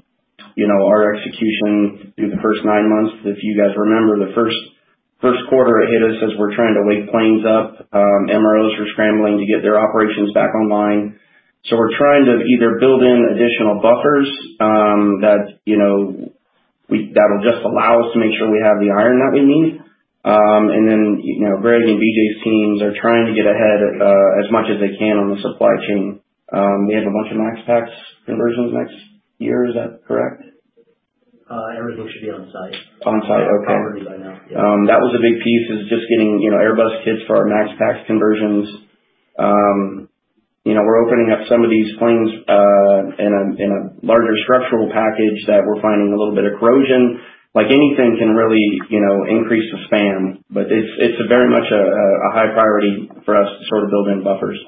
you know, our execution through the first nine months. If you guys remember, the first quarter, it hit us as we're trying to wake planes up. MROs were scrambling to get their operations back online. We're trying to either build in additional buffers that, you know, that'll just allow us to make sure we have the iron that we need. You know, Greg and BJ's teams are trying to get ahead as much as they can on the supply chain. They have a bunch of MAX passenger conversions next year. Is that correct? Everything should be on site. On site. Okay. Properly by now. Yeah. That was a big piece is just getting, you know, Airbus kits for our MAX passenger conversions. You know, we're opening up some of these planes in a larger structural package that we're finding a little bit of corrosion. Like anything can really, you know, increase the span, but it's a very much a high priority for us to sort of build in buffers.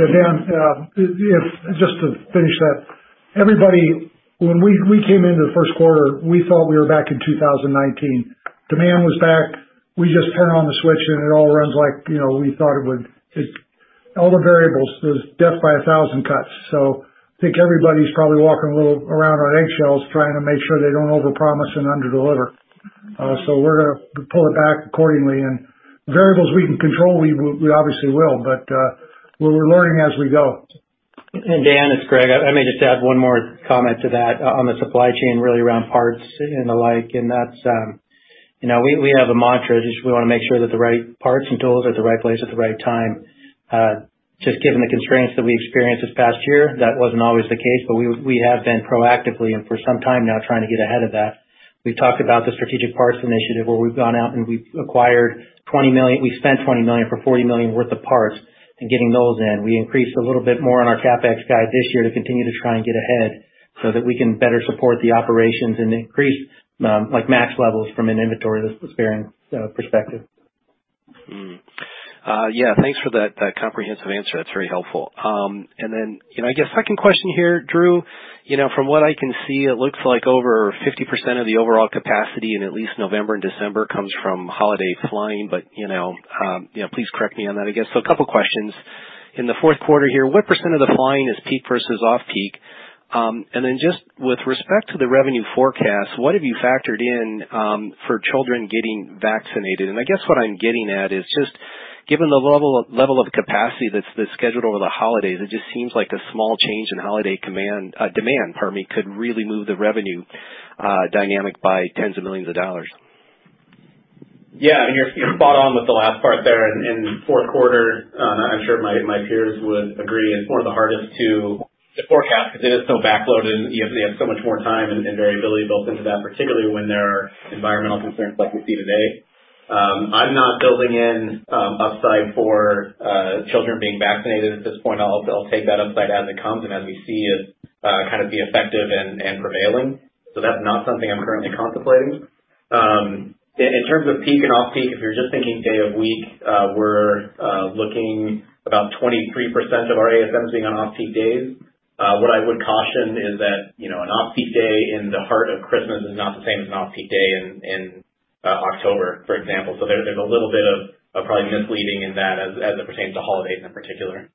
Dan, just to finish that. Everybody, when we came into the first quarter, we thought we were back in 2019. Demand was back. We just turn on the switch, and it all runs like, you know, we thought it would. All the variables, it was death by a thousand cuts. I think everybody's probably walking a little around on eggshells trying to make sure they don't overpromise and underdeliver. We're gonna pull it back accordingly. Variables we can control, we obviously will. We're learning as we go. Dan, it's Greg. I may just add one more comment to that on the supply chain, really around parts and the like, and that's, you know, we have a mantra is we wanna make sure that the right parts and tools are at the right place at the right time. Just given the constraints that we experienced this past year, that wasn't always the case, but we have been proactively and for some time now trying to get ahead of that. We've talked about the strategic parts initiative, where we've gone out and we've spent $20 million for $40 million worth of parts and getting those in. We increased a little bit more on our CapEx guide this year to continue to try and get ahead so that we can better support the operations and increase maximum levels from an inventory perspective. Yeah, thanks for that comprehensive answer. That's very helpful. And then, you know, I guess second question here, Drew. You know, from what I can see, it looks like over 50% of the overall capacity in at least November and December comes from holiday flying, but, you know, please correct me on that, I guess. A couple questions. In the fourth quarter here, what % of the flying is peak versus off-peak? And then just with respect to the revenue forecast, what have you factored in for children getting vaccinated? I guess what I'm getting at is just given the level of capacity that's scheduled over the holidays, it just seems like a small change in holiday demand, pardon me, could really move the revenue dynamic by tens of millions. Yeah. You're spot on with the last part there. In the fourth quarter, I'm sure my peers would agree it's one of the hardest to forecast because it is so backloaded and you have so much more time and variability built into that, particularly when there are environmental concerns like we see today. I'm not building in upside for children being vaccinated at this point. I'll take that upside as it comes and as we see it kind of be effective and prevailing. That's not something I'm currently contemplating. In terms of peak and off-peak, if you're just thinking day of week, we're looking about 23% of our ASMs being on off-peak days. What I would caution is that, an off-peak day in the heart of Christmas is not the same as an off-peak day in October, for example. There, there's a little bit of probably misleading in that as it pertains to holidays in particular.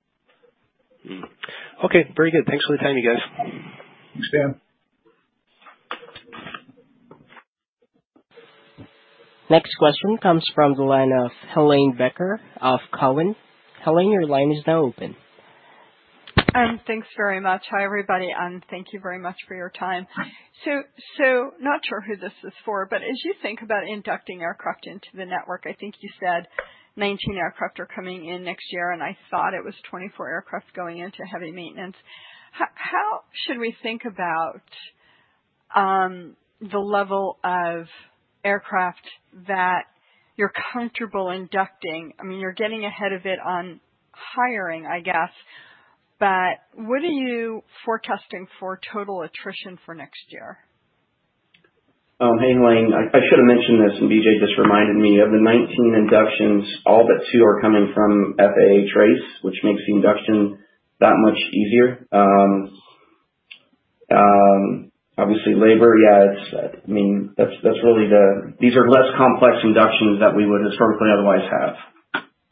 Okay. Very good. Thanks for the time, you guys. Thanks, Dan. Next question comes from the line of Helane Becker of Cowen. Helane, your line is now open. Thanks very much. Hi, everybody, and thank you very much for your time. Not sure who this is for, but as you think about inducting aircraft into the network, I think you said 19 aircraft are coming in next year, and I thought it was 24 aircraft going into heavy maintenance. How should we think about the level of aircraft that you're comfortable inducting? I mean, you're getting ahead of it on hiring, I guess, but what are you forecasting for total attrition for next year? Hey, Helane. I should have mentioned this, and BJ just reminded me. Of the 19 inductions, all but two are coming from FAA TRACE, which makes the induction that much easier. Obviously labor. I mean, that's really the. These are less complex inductions that we would historically otherwise have.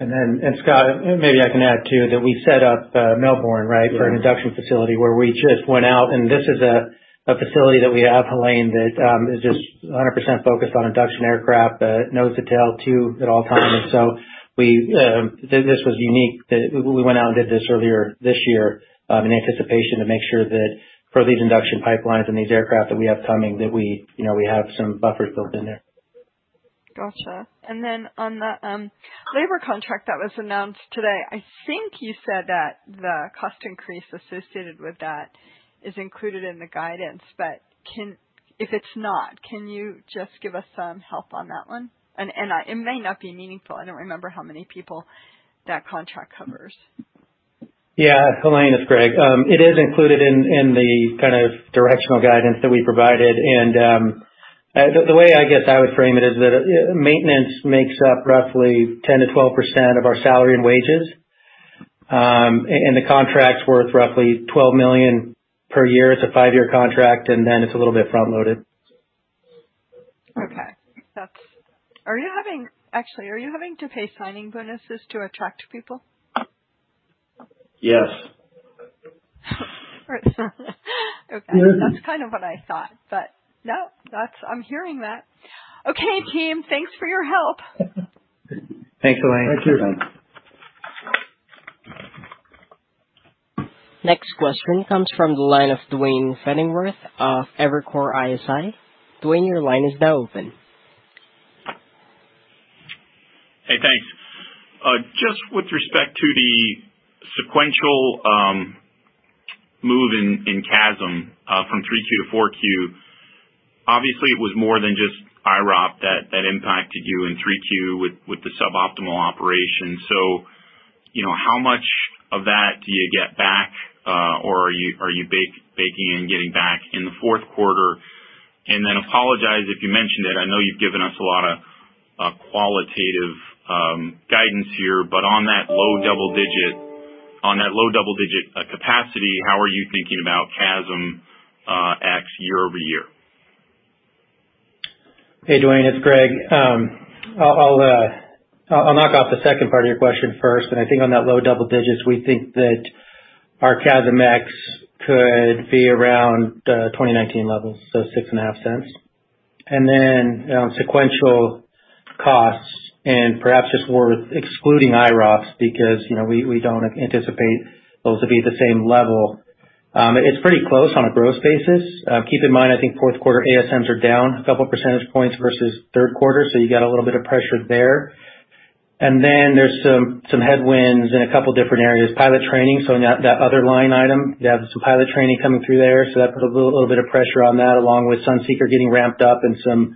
Scott, maybe I can add too, that we set up Melbourne. Yeah. For an induction facility where we just went out, and this is a facility that we have, Helane, that is just 100% focused on induction aircraft, nose to tail two at all times. This was unique that we went out and did this earlier this year, in anticipation to make sure that for these induction pipelines and these aircraft that we have coming that we, you know, we have some buffers built in there. Gotcha. On the labor contract that was announced today, I think you said that the cost increase associated with that is included in the guidance, but if it's not, can you just give us some help on that one? It may not be meaningful. I don't remember how many people that contract covers. Yeah. Helane, it's Greg. It is included in the kind of directional guidance that we provided. The way I guess I would frame it is that maintenance makes up roughly 10%-12% of our salary and wages. The contract's worth roughly $12 million per year. It's a five-year contract, and then it's a little bit front loaded. Actually, are you having to pay signing bonuses to attract people? Yes. Okay. That's kind of what I thought, but no, that's, I'm hearing that. Okay, team. Thanks for your help. Thanks, Helane. Thank you. Next question comes from the line of Duane Pfennigwerth of Evercore ISI. Duane, your line is now open. Hey, thanks. Just with respect to the sequential move in CASM from Q3 to Q4. Obviously, it was more than just IROPS that impacted you in Q3 with the suboptimal operation. You know, how much of that do you get back, or are you baking in getting back in the fourth quarter? Apologize if you mentioned it. I know you've given us a lot of qualitative guidance here, but on that low double digit capacity, how are you thinking about CASM ex year-over-year? Hey, Duane, it's Greg. I'll knock off the second part of your question first. I think on that low double digits, we think that our CASM ex could be around 2019 levels, so $0.065. Then, you know, sequential costs and perhaps just worth excluding IROPS because, you know, we don't anticipate those to be the same level. It's pretty close on a growth basis. Keep in mind, I think fourth quarter ASMs are down a couple percentage points versus third quarter, so you got a little bit of pressure there. Then there's some headwinds in a couple different areas. Pilot training, so in that other line item, you have some pilot training coming through there. That put a little bit of pressure on that, along with Sunseeker getting ramped up and some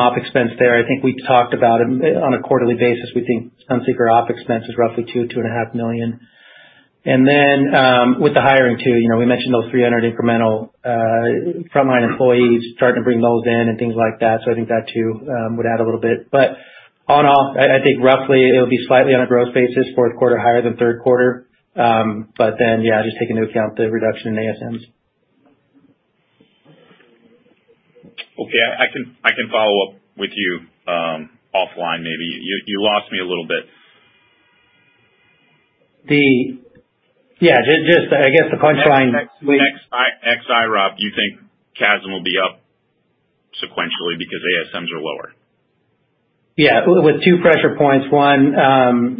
operating expense there. I think we talked about it on a quarterly basis. We think Sunseeker operating expense is roughly $2.5 million. Then, with the hiring too, you know, we mentioned those 300 incremental frontline employees starting to bring those in and things like that. I think that too would add a little bit. All in all, I think roughly it'll be slightly on a growth basis, fourth quarter higher than third quarter. Then, yeah, just take into account the reduction in ASMs. Okay. I can follow up with you offline maybe. You lost me a little bit. Yeah. Just, I guess, the bottom line. IROPS, do you think CASM will be up sequentially because ASMs are lower? Yeah. With two pressure points. One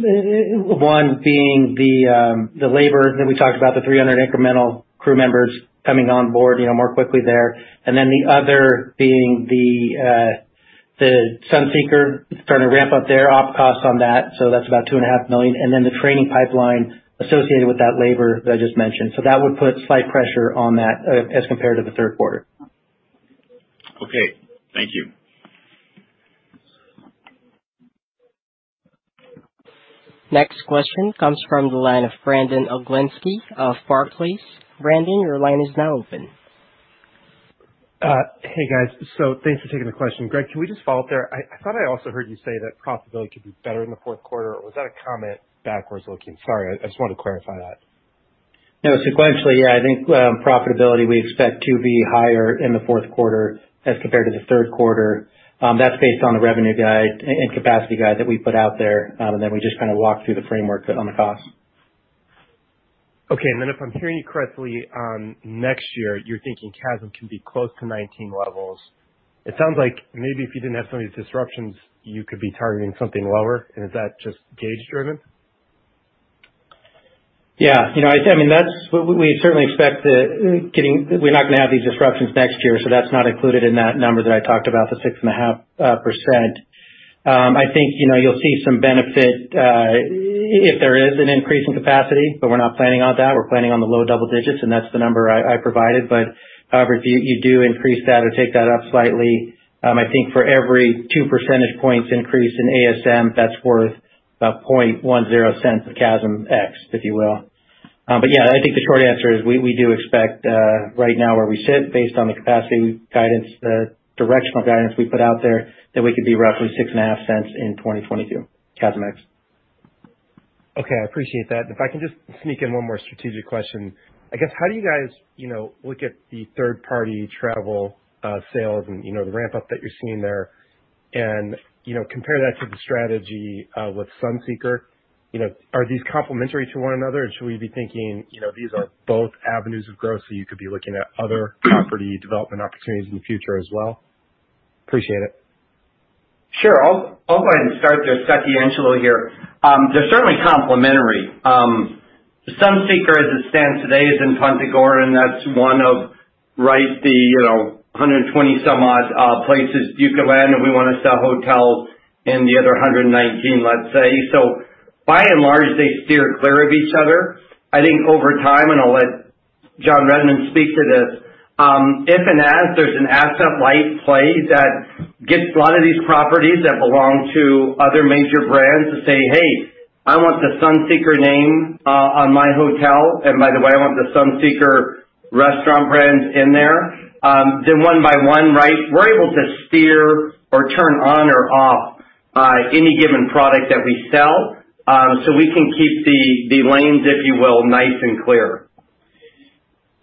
being the labor that we talked about, the 300 incremental crew members coming on board, you know, more quickly there. The other being the Sunseeker starting to ramp up their operating costs on that, so that's about $2.5 million. The training pipeline associated with that labor that I just mentioned. That would put slight pressure on that, as compared to the third quarter. Okay. Thank you. Next question comes from the line of Brandon Oglenski of Barclays. Brandon, your line is now open. Hey, guys. Thanks for taking the question. Greg, can we just follow up there? I thought I also heard you say that profitability could be better in the fourth quarter, or was that a comment backwards looking? Sorry, I just wanted to clarify that. No. Sequentially, yeah. I think profitability we expect to be higher in the fourth quarter as compared to the third quarter. That's based on the revenue guide and capacity guide that we put out there, and then we just kind of walked through the framework on the cost. Okay. Then if I'm hearing you correctly on next year, you're thinking CASM can be close to 19 levels. It sounds like maybe if you didn't have so many disruptions, you could be targeting something lower. Is that just gauge driven? Yeah. You know, I mean, that's what we certainly expect. We're not gonna have these disruptions next year, so that's not included in that number that I talked about, the 6.5%. I think, you know, you'll see some benefit if there is an increase in capacity, but we're not planning on that. We're planning on the low double digits, and that's the number I provided. However, if you do increase that or take that up slightly, I think for every 2 percentage points increase in ASM, that's worth about 0.10 cents of CASM ex, if you will. Yeah, I think the short answer is we do expect, right now where we sit based on the capacity guidance, the directional guidance we put out there, that we could be roughly 0.65 cents In 2022 CASM ex. Okay. I appreciate that. If I can just sneak in one more strategic question. I guess, how do you guys, you know, look at the third-party travel, sales and, you know, the ramp up that you're seeing there and, you know, compare that to the strategy, with Sunseeker? You know, are these complementary to one another? Should we be thinking, you know, these are both avenues of growth, so you could be looking at other property development opportunities in the future as well? Appreciate it. Sure. I'll go ahead and start there. Scott DeAngelo here. They're certainly complementary. Sunseeker, as it stands today, is in Punta Gorda, and that's one of, right, the, you know, 120-some odd places you could land if we wanna sell hotels in the other 119, let's say. By and large, they steer clear of each other. I think over time, and I'll let John Redmond speak to this, if and as there's an asset-light play that gets a lot of these properties that belong to other major brands to say, "Hey, I want the Sunseeker name on my hotel, and by the way, I want the Sunseeker restaurant brands in there," then one by one, right, we're able to steer or turn on or off any given product that we sell. We can keep the lanes, if you will, nice and clear.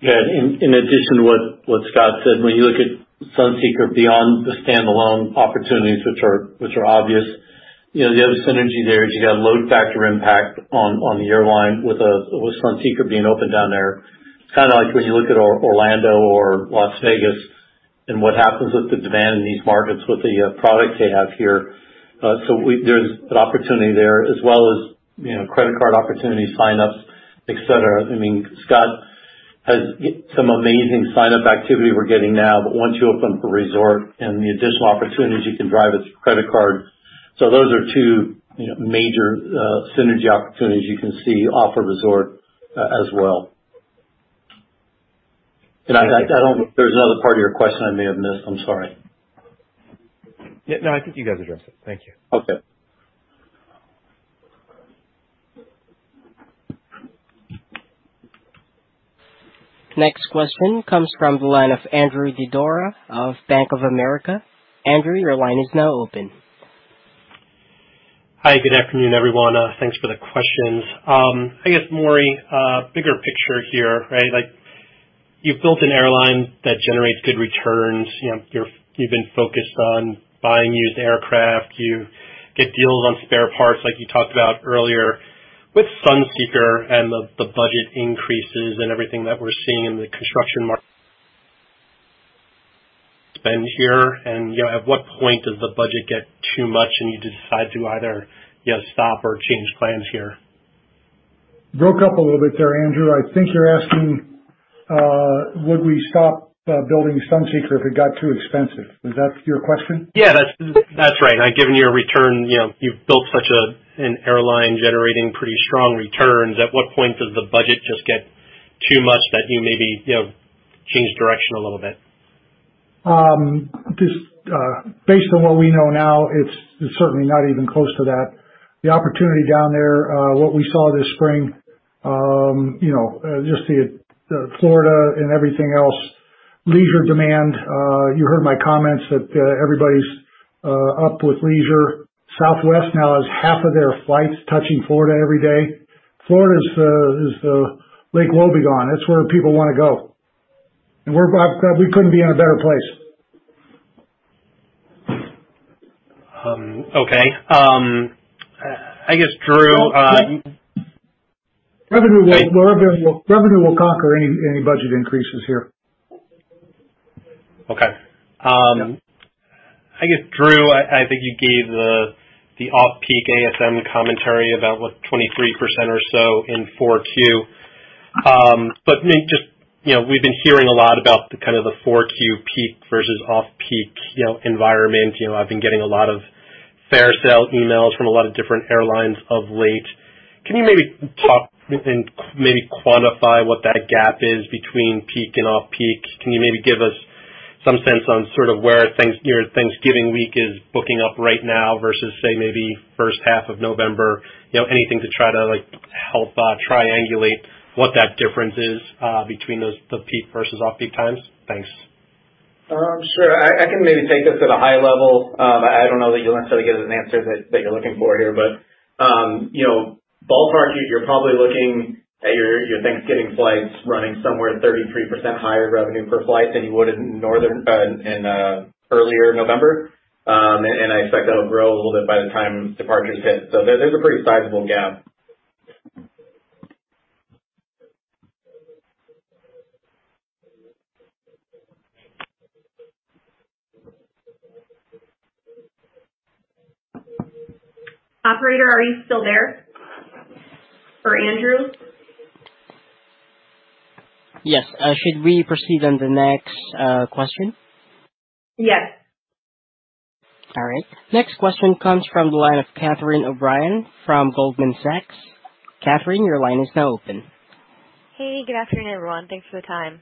Yeah. In addition to what Scott said, when you look at Sunseeker beyond the standalone opportunities which are obvious, you know, the other synergy there is you got load factor impact on the airline with Sunseeker being open down there. It's kinda like when you look at Orlando or Las Vegas and what happens with the demand in these markets with the products they have here. There's an opportunity there as well as, you know, credit card opportunity sign-ups, et cetera. I mean, Scott has some amazing sign-up activity we're getting now, but once you open the resort and the additional opportunities you can drive with credit cards. So those are two, you know, major synergy opportunities you can see off a resort as well. I don't know if there's another part of your question I may have missed. I'm sorry. Yeah. No. I think you guys addressed it. Thank you. Okay. Next question comes from the line of Andrew Didora of Bank of America. Andrew, your line is now open. Hi. Good afternoon, everyone. Thanks for the questions. I guess, Maurice, bigger picture here, right? Like, you've built an airline that generates good returns. You know, you've been focused on buying used aircraft. You get deals on spare parts like you talked about earlier. With Sunseeker and the budget increases and everything that we're seeing in the construction market spend here, and, you know, at what point does the budget get too much and you decide to either, you know, stop or change plans here? Broke up a little bit there, Andrew. I think you're asking, would we stop building Sunseeker if it got too expensive? Is that your question? Yeah. That's right. Now given your return, you know, you've built such an airline generating pretty strong returns. At what point does the budget just get too much that you maybe, you know, change direction a little bit? Just based on what we know now, it's certainly not even close to that. The opportunity down there, what we saw this spring, you know, just the Florida and everything else, leisure demand. You heard my comments that everybody's up with leisure. Southwest now has half of their flights touching Florida every day. Florida is the Lake Wobegon. It's where people wanna go. We couldn't be in a better place. Okay. I guess Drew, Revenue will- Wait. Revenue will conquer any budget increases here. Okay. I guess, Drew, I think you gave the off-peak ASM commentary about 23% or so in Q4. Just, you know, we've been hearing a lot about the kind of Q4 peak versus off-peak environment. You know, I've been getting a lot of fare sale emails from a lot of different airlines of late. Can you maybe talk and maybe quantify what that gap is between peak and off-peak? Can you maybe give us some sense on sort of where things, you know, Thanksgiving week is booking up right now versus, say, maybe first half of November? You know, anything to try to, like, help triangulate what that difference is between those the peak versus off-peak times? Thanks. Sure. I can maybe take this at a high level. I don't know that you'll necessarily get an answer that you're looking for here, but you know, ballpark, you're probably looking at your Thanksgiving flights running somewhere 33% higher revenue per flight than you would in earlier November. I expect that'll grow a little bit by the time departures hit. There's a pretty sizable gap. Operator, are you still there for Andrew? Yes. Should we proceed on the next question? Yes. All right. Next question comes from the line of Catie O'Brien from Goldman Sachs. Catie, your line is now open. Good afternoon, everyone. Thanks for the time.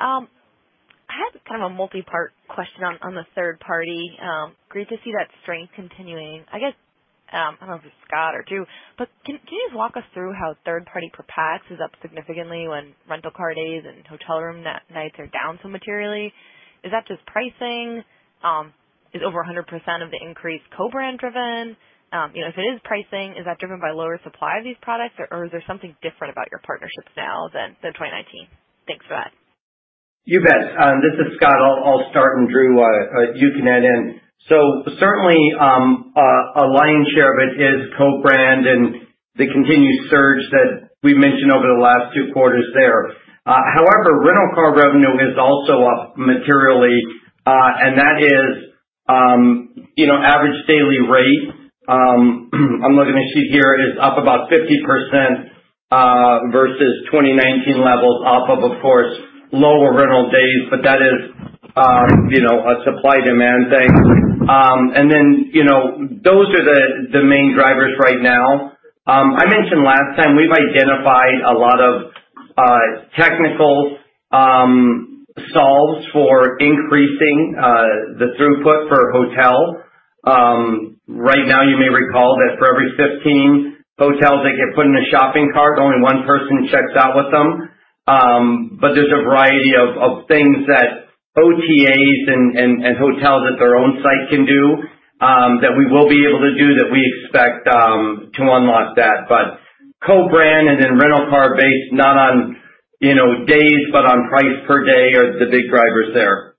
I had kind of a multi-part question on the third-party. Great to see that strength continuing. I guess, I don't know if it's Scott or Drew, but can you just walk us through how third-party prepays is up significantly when rental car days and hotel room nights are down so materially? Is that just pricing? Is over 100% of the increase co-brand driven? You know, if it is pricing, is that driven by lower supply of these products or is there something different about your partnerships now than 2019? Thanks, Scott. You bet. This is Scott. I'll start, and Drew, you can add in. Certainly, a lion's share of it is co-brand and the continued surge that we've mentioned over the last 2 quarters there. However, rental car revenue is also up materially, and that is, you know, average daily rate, I'm looking to see here, is up about 50%, versus 2019 levels, off of course, lower rental days, but that is, you know, a supply-demand thing. You know, those are the main drivers right now. I mentioned last time, we've identified a lot of technical solves for increasing the throughput for hotel. Right now, you may recall that for every 15 hotels that get put in a shopping cart, only one person checks out with them. There's a variety of things that OTAs and hotels at their own site can do that we will be able to do that we expect to unlock that. Co-brand and then rental car based not on, you know, days but on price per day are the big drivers there.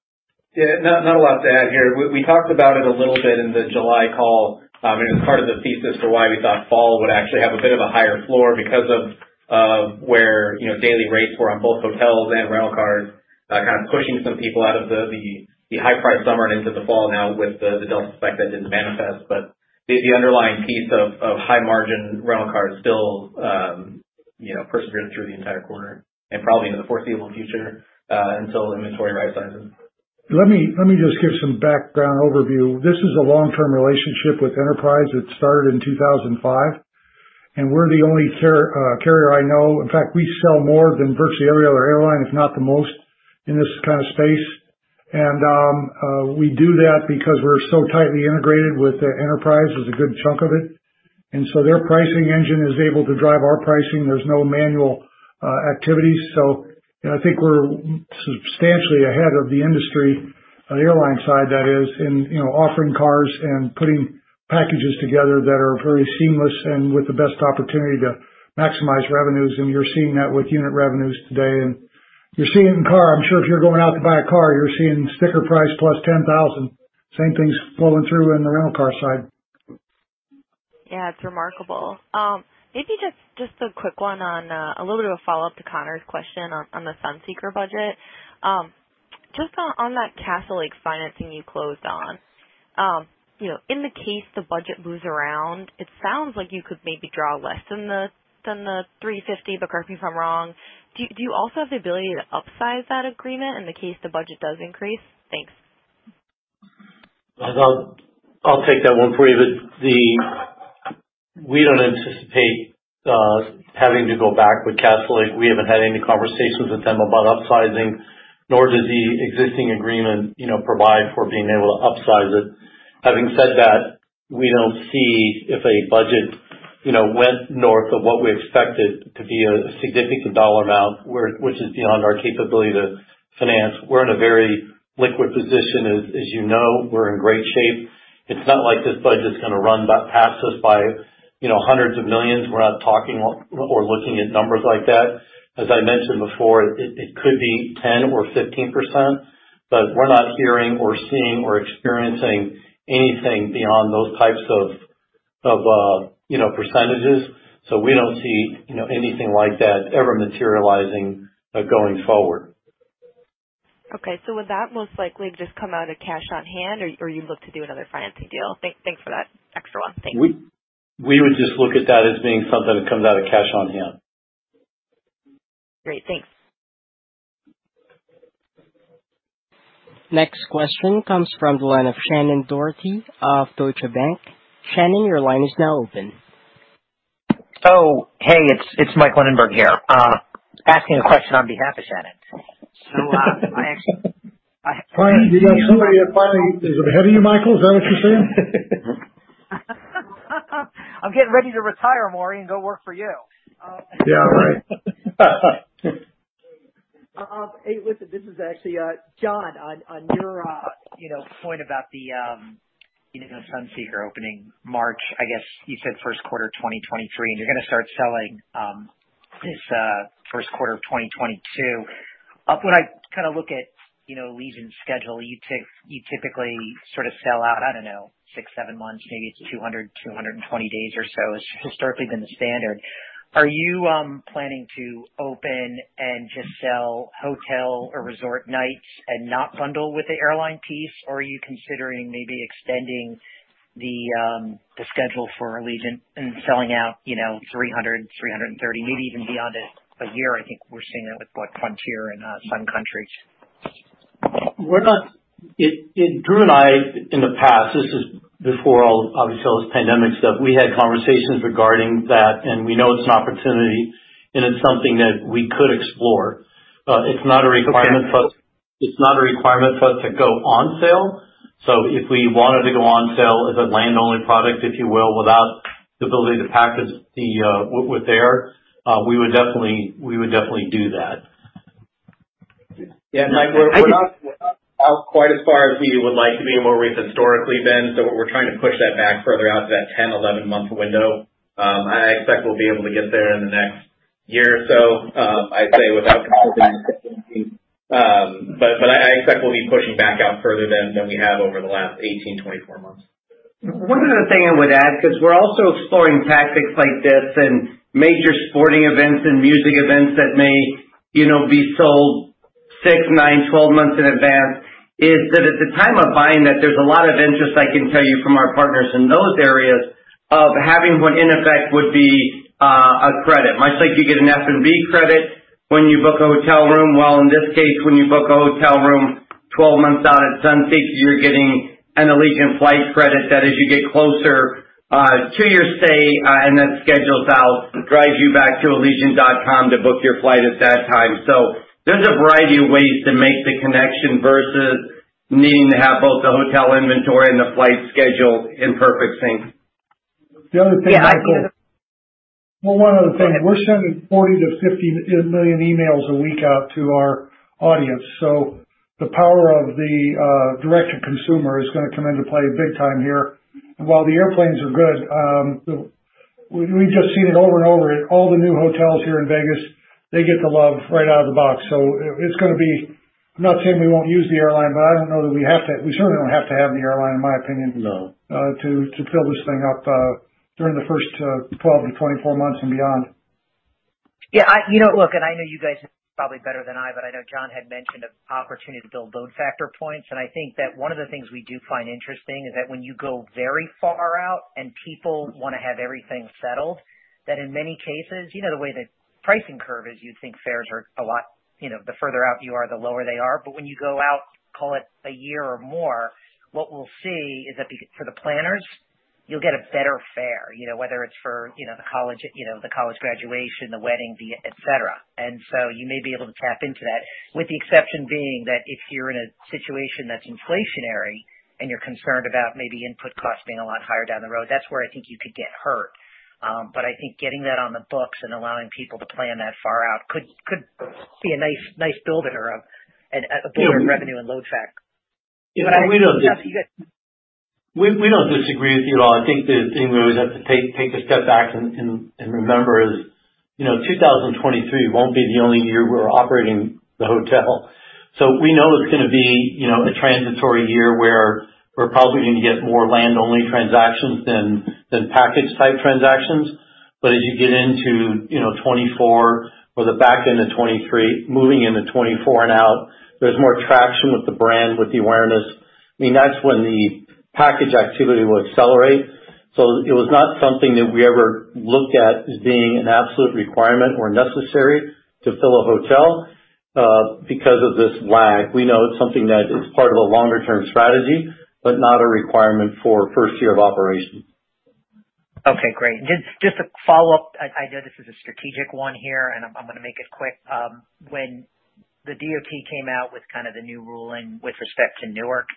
Yeah, not a lot to add here. We talked about it a little bit in the July call, and it was part of the thesis for why we thought fall would actually have a bit of a higher floor because of where, you know, daily rates were on both hotels and rental cars, kind of pushing some people out of the high price summer and into the fall now with the Delta spike that didn't manifest. The underlying piece of high margin rental cars still, persisted through the entire quarter and probably into the foreseeable future, until inventory right-sizes. Let me just give some background overview. This is a long-term relationship with Enterprise. It started in 2005, and we're the only carrier I know. In fact, we sell more than virtually every other airline, if not the most, in this kind of space. We do that because we're so tightly integrated with Enterprise. It is a good chunk of it. Their pricing engine is able to drive our pricing. There's no manual activities. I think we're substantially ahead of the industry on the airline side, that is, in you know, offering cars and putting packages together that are very seamless and with the best opportunity to maximize revenues. You're seeing that with unit revenues today. You're seeing car. I'm sure if you're going out to buy a car, you're seeing sticker price $10,000+. Same thing's flowing through in the rental car side. Yeah, it's remarkable. Maybe just a quick one on a little bit of a follow-up to Conor's question on the Sunseeker budget. Just on that Castlelake financing you closed on. You know, in the case the budget moves around, it sounds like you could maybe draw less than the $350 million, but correct me if I'm wrong. Do you also have the ability to upsize that agreement in the case the budget does increase? Thanks. I'll take that one for you. We don't anticipate having to go back with Castlelake. We haven't had any conversations with them about upsizing, nor does the existing agreement, you know, provide for being able to upsize it. Having said that, we don't see if a budget, you know, went north of what we expected to be a significant dollar amount which is beyond our capability to finance. We're in a very liquid position, as you know. We're in great shape. It's not like this budget's gonna run past us by, hundreds of millions of dollors. We're not talking or looking at numbers like that. As I mentioned before, it could be 10%-15%, but we're not hearing or seeing or experiencing anything beyond those types of, you know, percentages. We don't see, you know, anything like that ever materializing, going forward. Okay. Would that most likely just come out of cash on hand or you look to do another financing deal? Thanks for that extra one. Thank you. We would just look at that as being something that comes out of cash on hand. Great. Thanks. Next question comes from the line of Shannon Doherty of Deutsche Bank. Shannon, your line is now open. Oh, hey, it's Michael Linenberg here, asking a question on behalf of Shannon. I actually- Finally somebody ahead of you, Michael. Is that what you're saying? I'm getting ready to retire, Maurice, and go work for you. Yeah, right. Hey, listen, this is actually John, on your point about the Sunseeker opening March. I guess you said first quarter 2023, and you're gonna start selling this first quarter of 2022. When I kinda look at Allegiant's schedule, you typically sort of sell out, I don't know, six, seven months, maybe it's 220 days or so. It's historically been the standard. Are you planning to open and just sell hotel or resort nights and not bundle with the airline piece? Or are you considering maybe extending the schedule for Allegiant and selling out 330 days, maybe even beyond a year? I think we're seeing that with Frontier and Sun Country. Drew and I, in the past, this is before all, obviously, all this pandemic stuff, we had conversations regarding that, and we know it's an opportunity, and it's something that we could explore. It's not a requirement for- Okay. It's not a requirement for us to go on sale. If we wanted to go on sale as a land-only product, if you will, without the ability to package the with air, we would definitely do that. Yeah. Mike, we're not out quite as far as we would like to be and where we've historically been, so we're trying to push that back further out to that 10-11-month window. I expect we'll be able to get there in the next year or so. I'd say without, but I expect we'll be pushing back out further than we have over the last 18-24 months. One other thing I would add, 'cause we're also exploring tactics like this and major sporting events and music events that may, you know, be sold 6-12 months in advance, is that at the time of buying that there's a lot of interest, I can tell you, from our partners in those areas of having what in effect would be a credit. Much like you get an F&B credit when you book a hotel room. Well, in this case, when you book a hotel room 12 months out at Sunseeker, you're getting an Allegiant flight credit that as you get closer to your stay and that schedules out, drives you back to Allegiant.com to book your flight at that time. So there's a variety of ways to make the connection versus needing to have both the hotel inventory and the flight schedule in perfect sync. The other thing, Michael. Yeah. Well, one other thing. We're sending 40-50 million emails a week out to our audience, so the power of the direct to consumer is gonna come into play big time here. While the airplanes are good, we've just seen it over and over, at all the new hotels here in Vegas, they get the love right out of the box. It's gonna be. I'm not saying we won't use the airline, but I don't know that we have to. We certainly don't have to have the airline, in my opinion. No... to fill this thing up during the first 12-24 months and beyond. Yeah. You know, look, I know you guys know this probably better than I, but I know John had mentioned an opportunity to build load factor points. I think that one of the things we do find interesting is that when you go very far out and people wanna have everything settled, that in many cases, you know, the way the pricing curve is, you'd think fares are a lot, you know, the further out you are, the lower they are. When you go out, call it a year or more, what we'll see is that, for the planners, you'll get a better fare, you know, whether it's for, you know, the college, you know, the college graduation, the wedding, the etc. You may be able to tap into that, with the exception being that if you're in a situation that's inflationary and you're concerned about maybe input costs being a lot higher down the road, that's where I think you could get hurt. But I think getting that on the books and allowing people to plan that far out could be a nice builder of revenue and load factor. Yeah. We don't disagree with you at all. I think the thing we always have to take a step back and remember is, you know, 2023 won't be the only year we're operating the hotel. We know it's gonna be, you know, a transitory year where we're probably gonna get more land-only transactions than package-type transactions. As you get into, you know, 2024 or the back end of 2023, moving into 2024 and out, there's more traction with the brand, with the awareness. I mean, that's when the package activity will accelerate. It was not something that we ever looked at as being an absolute requirement or necessary to fill a hotel. Because of this lag, we know it's something that is part of a longer-term strategy, but not a requirement for first year of operation. Okay, great. Just a follow-up. I know this is a strategic one here, and I'm gonna make it quick. When the DOT came out with kind of the new ruling with respect to Newark,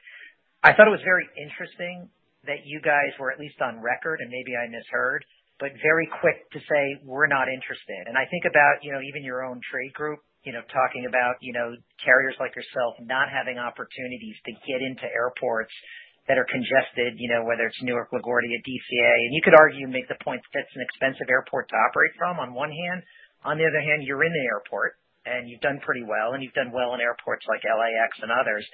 I thought it was very interesting that you guys were at least on record, and maybe I misheard, but very quick to say, "We're not interested." I think about, you know, even your own trade group, you know, talking about, you know, carriers like yourself not having opportunities to get into airports that are congested, you know, whether it's Newark, LaGuardia, DCA. You could argue and make the point that that's an expensive airport to operate from on one hand. On the other hand, you're in the airport and you've done pretty well and you've done well in airports like LAX and others.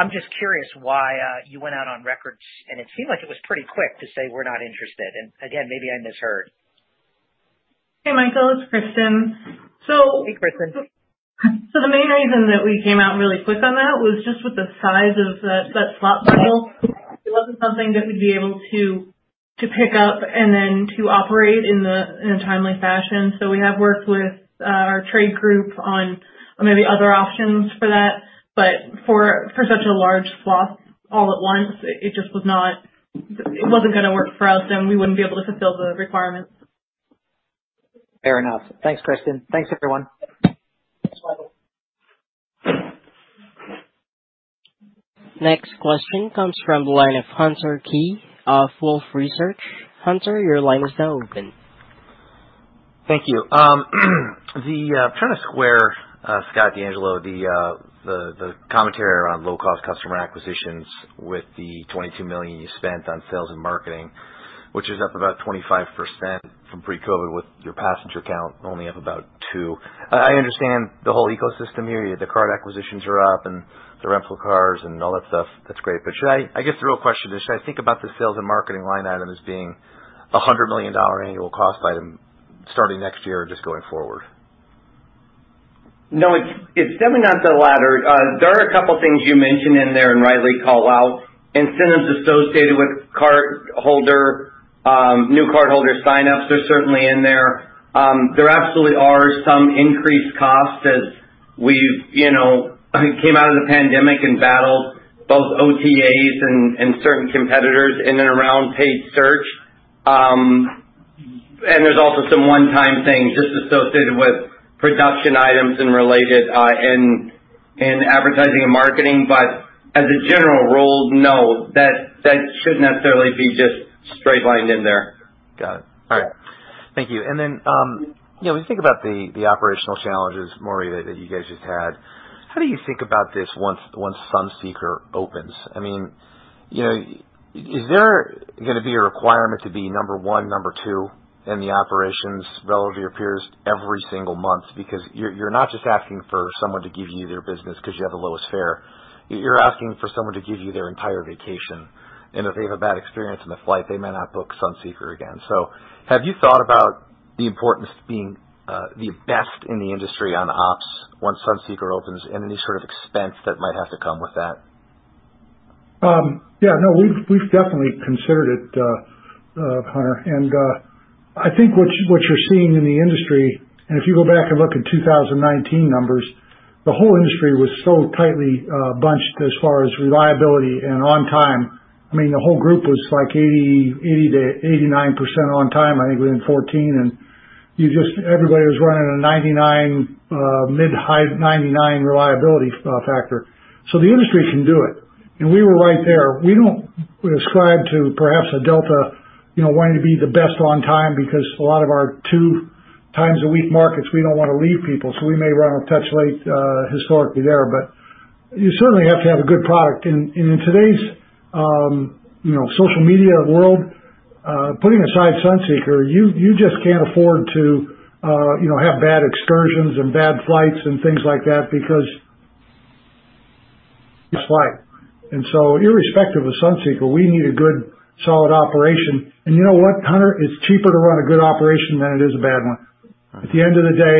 I'm just curious why you went out on record, and it seemed like it was pretty quick to say, "We're not interested." Again, maybe I misheard. Hey, Michael, it's Kristen. Hey, Kristen. The main reason that we came out really quick on that was just with the size of that slot deal, it wasn't something that we'd be able to pick up and then to operate in a timely fashion. We have worked with our trade group on maybe other options for that. For such a large slot all at once, it wasn't gonna work for us, and we wouldn't be able to fulfill the requirements. Fair enough. Thanks, Kristen. Thanks, everyone. Thanks, Michael. Next question comes from the line of Hunter Keay of Wolfe Research. Hunter, your line is now open. Thank you. I'm trying to square Scott DeAngelo, the commentary around low-cost customer acquisitions with the $22 million you spent on sales and marketing, which is up about 25% from pre-COVID with your passenger count only up about 2%. I understand the whole ecosystem here. The card acquisitions are up and the rental cars and all that stuff. That's great. Should I guess the real question is, should I think about the sales and marketing line item as being a $100 million annual cost item starting next year or just going forward? No, it's definitely not the latter. There are a couple things you mentioned in there and rightly call out. Incentives associated with cardholder new cardholder sign-ups are certainly in there. There absolutely are some increased costs as we've, came out of the pandemic and battled both OTAs and certain competitors in and around paid search. And there's also some one-time things just associated with production items and related in advertising and marketing. As a general rule, no, that shouldn't necessarily be just straight lined in there. Got it. All right. Thank you. Then, you know, when you think about the operational challenges, Maurice, that you guys just had, how do you think about this once Sunseeker opens? I mean, you know, is there gonna be a requirement to be number one or number two in the operations relative to your peers every single month? Because you're not just asking for someone to give you their business because you have the lowest fare. You're asking for someone to give you their entire vacation, and if they have a bad experience on the flight, they might not book Sunseeker again. So have you thought about the importance of being the best in the industry on ops once Sunseeker opens and any sort of expense that might have to come with that? Yeah, no, we've definitely considered it, Hunter. I think what you're seeing in the industry, and if you go back and look at 2019 numbers, the whole industry was so tightly bunched as far as reliability and on time. I mean, the whole group was like 80%-89% on time, I think within 14 points. Everybody was running a 99%, mid-high 99% reliability factor. The industry can do it. We were right there. We don't ascribe to perhaps a Delta, you know, wanting to be the best on time because a lot of our two times a week markets, we don't wanna leave people, so we may run a touch late historically there, but you certainly have to have a good product. In today's, you know, social media world, putting aside Sunseeker, you just can't afford to, you know, have bad excursions and bad flights and things like that. So irrespective of Sunseeker, we need a good solid operation. You know what, Hunter? It's cheaper to run a good operation than it is a bad one. At the end of the day,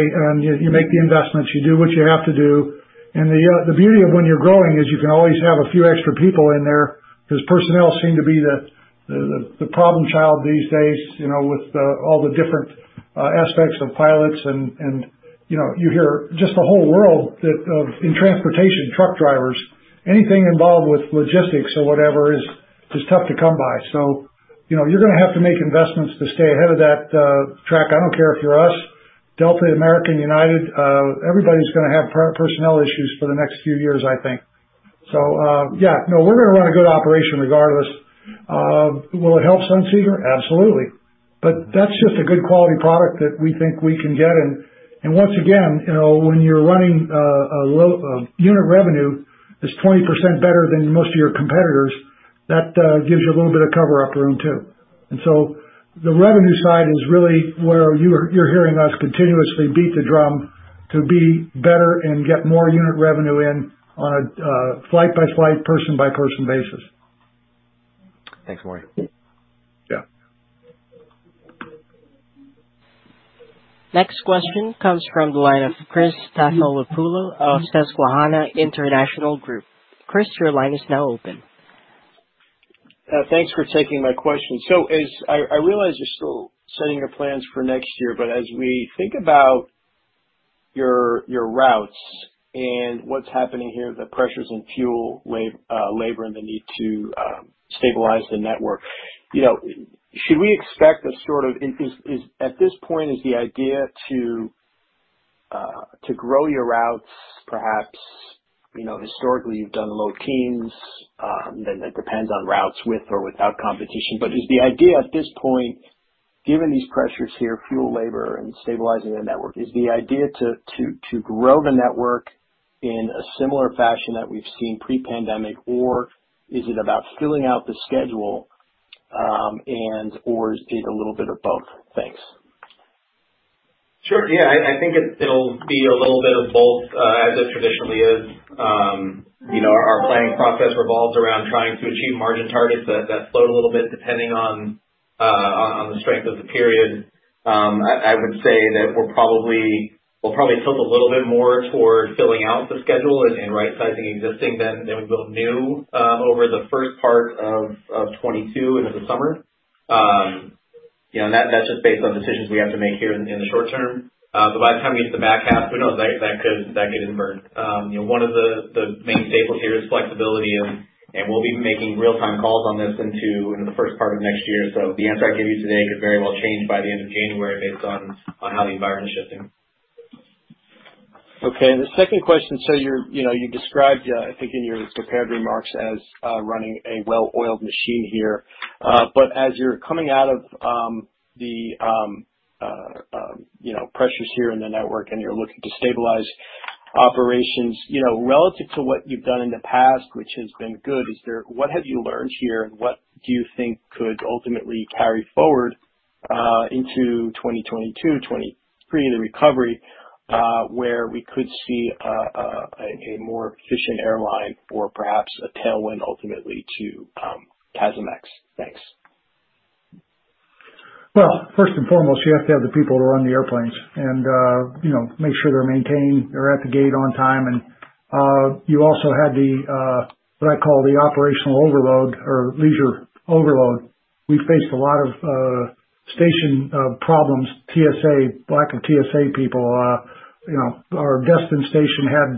you make the investments, you do what you have to do. The beauty of when you're growing is you can always have a few extra people in there because personnel seem to be the problem child these days, you know, with all the different aspects of pilots. You know, you hear just the whole world that in transportation, truck drivers, anything involved with logistics or whatever is tough to come by. You know, you're gonna have to make investments to stay ahead of that track. I don't care if you're us, Delta, American, United, everybody's gonna have personnel issues for the next few years, I think. Yeah, no, we're gonna run a good operation regardless. Will it help Sunseeker? Absolutely. But that's just a good quality product that we think we can get. Once again, you know, when you're running a low unit cost that's 20% better than most of your competitors, that gives you a little bit of cushion room too. The revenue side is really where you're hearing us continuously beat the drum to be better and get more unit revenue in on a flight-by-flight, person-by-person basis. Thanks, Maurice. Yeah. Next question comes from the line of Christopher Stathoulopoulos of Susquehanna International Group. Chris, your line is now open. Thanks for taking my question. As I realize you're still setting your plans for next year, but as we think about your routes and what's happening here, the pressures on fuel, labor, and the need to stabilize the network. You know, should we expect at this point is the idea to grow your routes, perhaps, you know, historically you've done low teens, then that depends on routes with or without competition. But is the idea at this point, given these pressures here, fuel, labor, and stabilizing the network, is the idea to grow the network in a similar fashion that we've seen pre-pandemic, or is it about filling out the schedule, and/or is it a little bit of both? Thanks. Sure. Yeah. I think it'll be a little bit of both, as it traditionally is. You know, our planning process revolves around trying to achieve margin targets that float a little bit depending on the strength of the period. I would say that we'll probably tilt a little bit more towards filling out the schedule and rightsizing existing than we build new over the first part of 2022 into the summer. Yeah, that's just based on decisions we have to make here in the short term. By the time you get to the back half, who knows? That could invert. You know, one of the main staples here is flexibility and we'll be making real time calls on this into the first part of next year. The answer I give you today could very well change by the end of January based on how the environment is shifting. Okay. The second question, you're, you know, you described, I think, in your prepared remarks as running a well-oiled machine here. As you're coming out of the pressures here in the network and you're looking to stabilize operations, you know, relative to what you've done in the past, which has been good, is there what have you learned here, and what do you think could ultimately carry forward into 2022, 2023 in the recovery, where we could see a more efficient airline or perhaps a tailwind ultimately to CASM ex? Thanks. Well, first and foremost, you have to have the people to run the airplanes and, you know, make sure they're maintained, they're at the gate on time. You also had what I call the operational overload or leisure overload. We faced a lot of station problems, TSA, lack of TSA people. You know, our Destin station had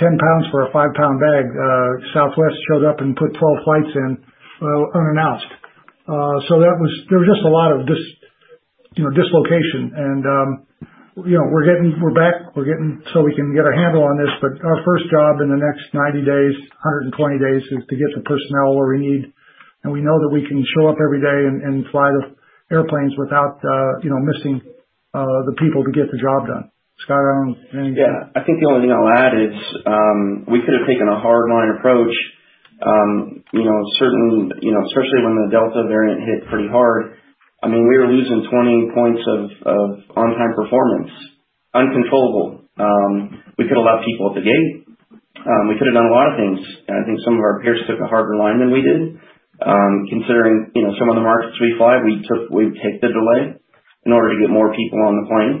10 pounds for a 5-pound bag. Southwest showed up and put 12 flights in unannounced. That was just a lot of dislocation. We're getting back so we can get a handle on this. Our first job in the next 90 days, 120 days is to get the personnel where we need. We know that we can show up every day and fly the airplanes without you know missing the people to get the job done. Scott, anything? Yeah. I think the only thing I'll add is we could have taken a hard line approach, you know, certain, you know, especially when the Delta variant hit pretty hard. I mean, we were losing 20% of on-time performance. Uncontrollable. We could allow people at the gate. We could have done a lot of things. I think some of our peers took a harder line than we did. Considering, you know, some of the markets we fly, we take the delay in order to get more people on the plane.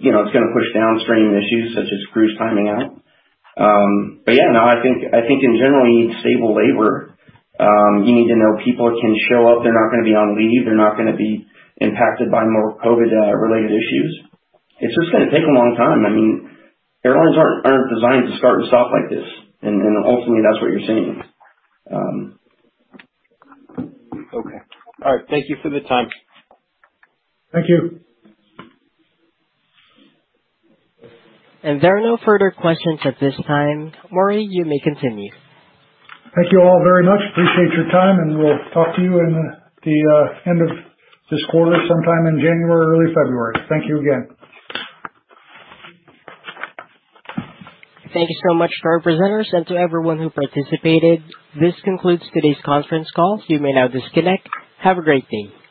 You know, it's gonna push downstream issues such as crews timing out. Yeah, no, I think in general, you need stable labor. You need to know people can show up. They're not gonna be on leave. They're not gonna be impacted by more COVID related issues. It's just gonna take a long time. I mean, airlines aren't designed to start and stop like this. Ultimately, that's what you're seeing. Okay. All right. Thank you for the time. Thank you. There are no further questions at this time. Maurice, you may continue. Thank you all very much. Appreciate your time, and we'll talk to you in the end of this quarter, sometime in January or early February. Thank you again. Thank you so much to our presenters and to everyone who participated. This concludes today's conference call. You may now disconnect. Have a great day.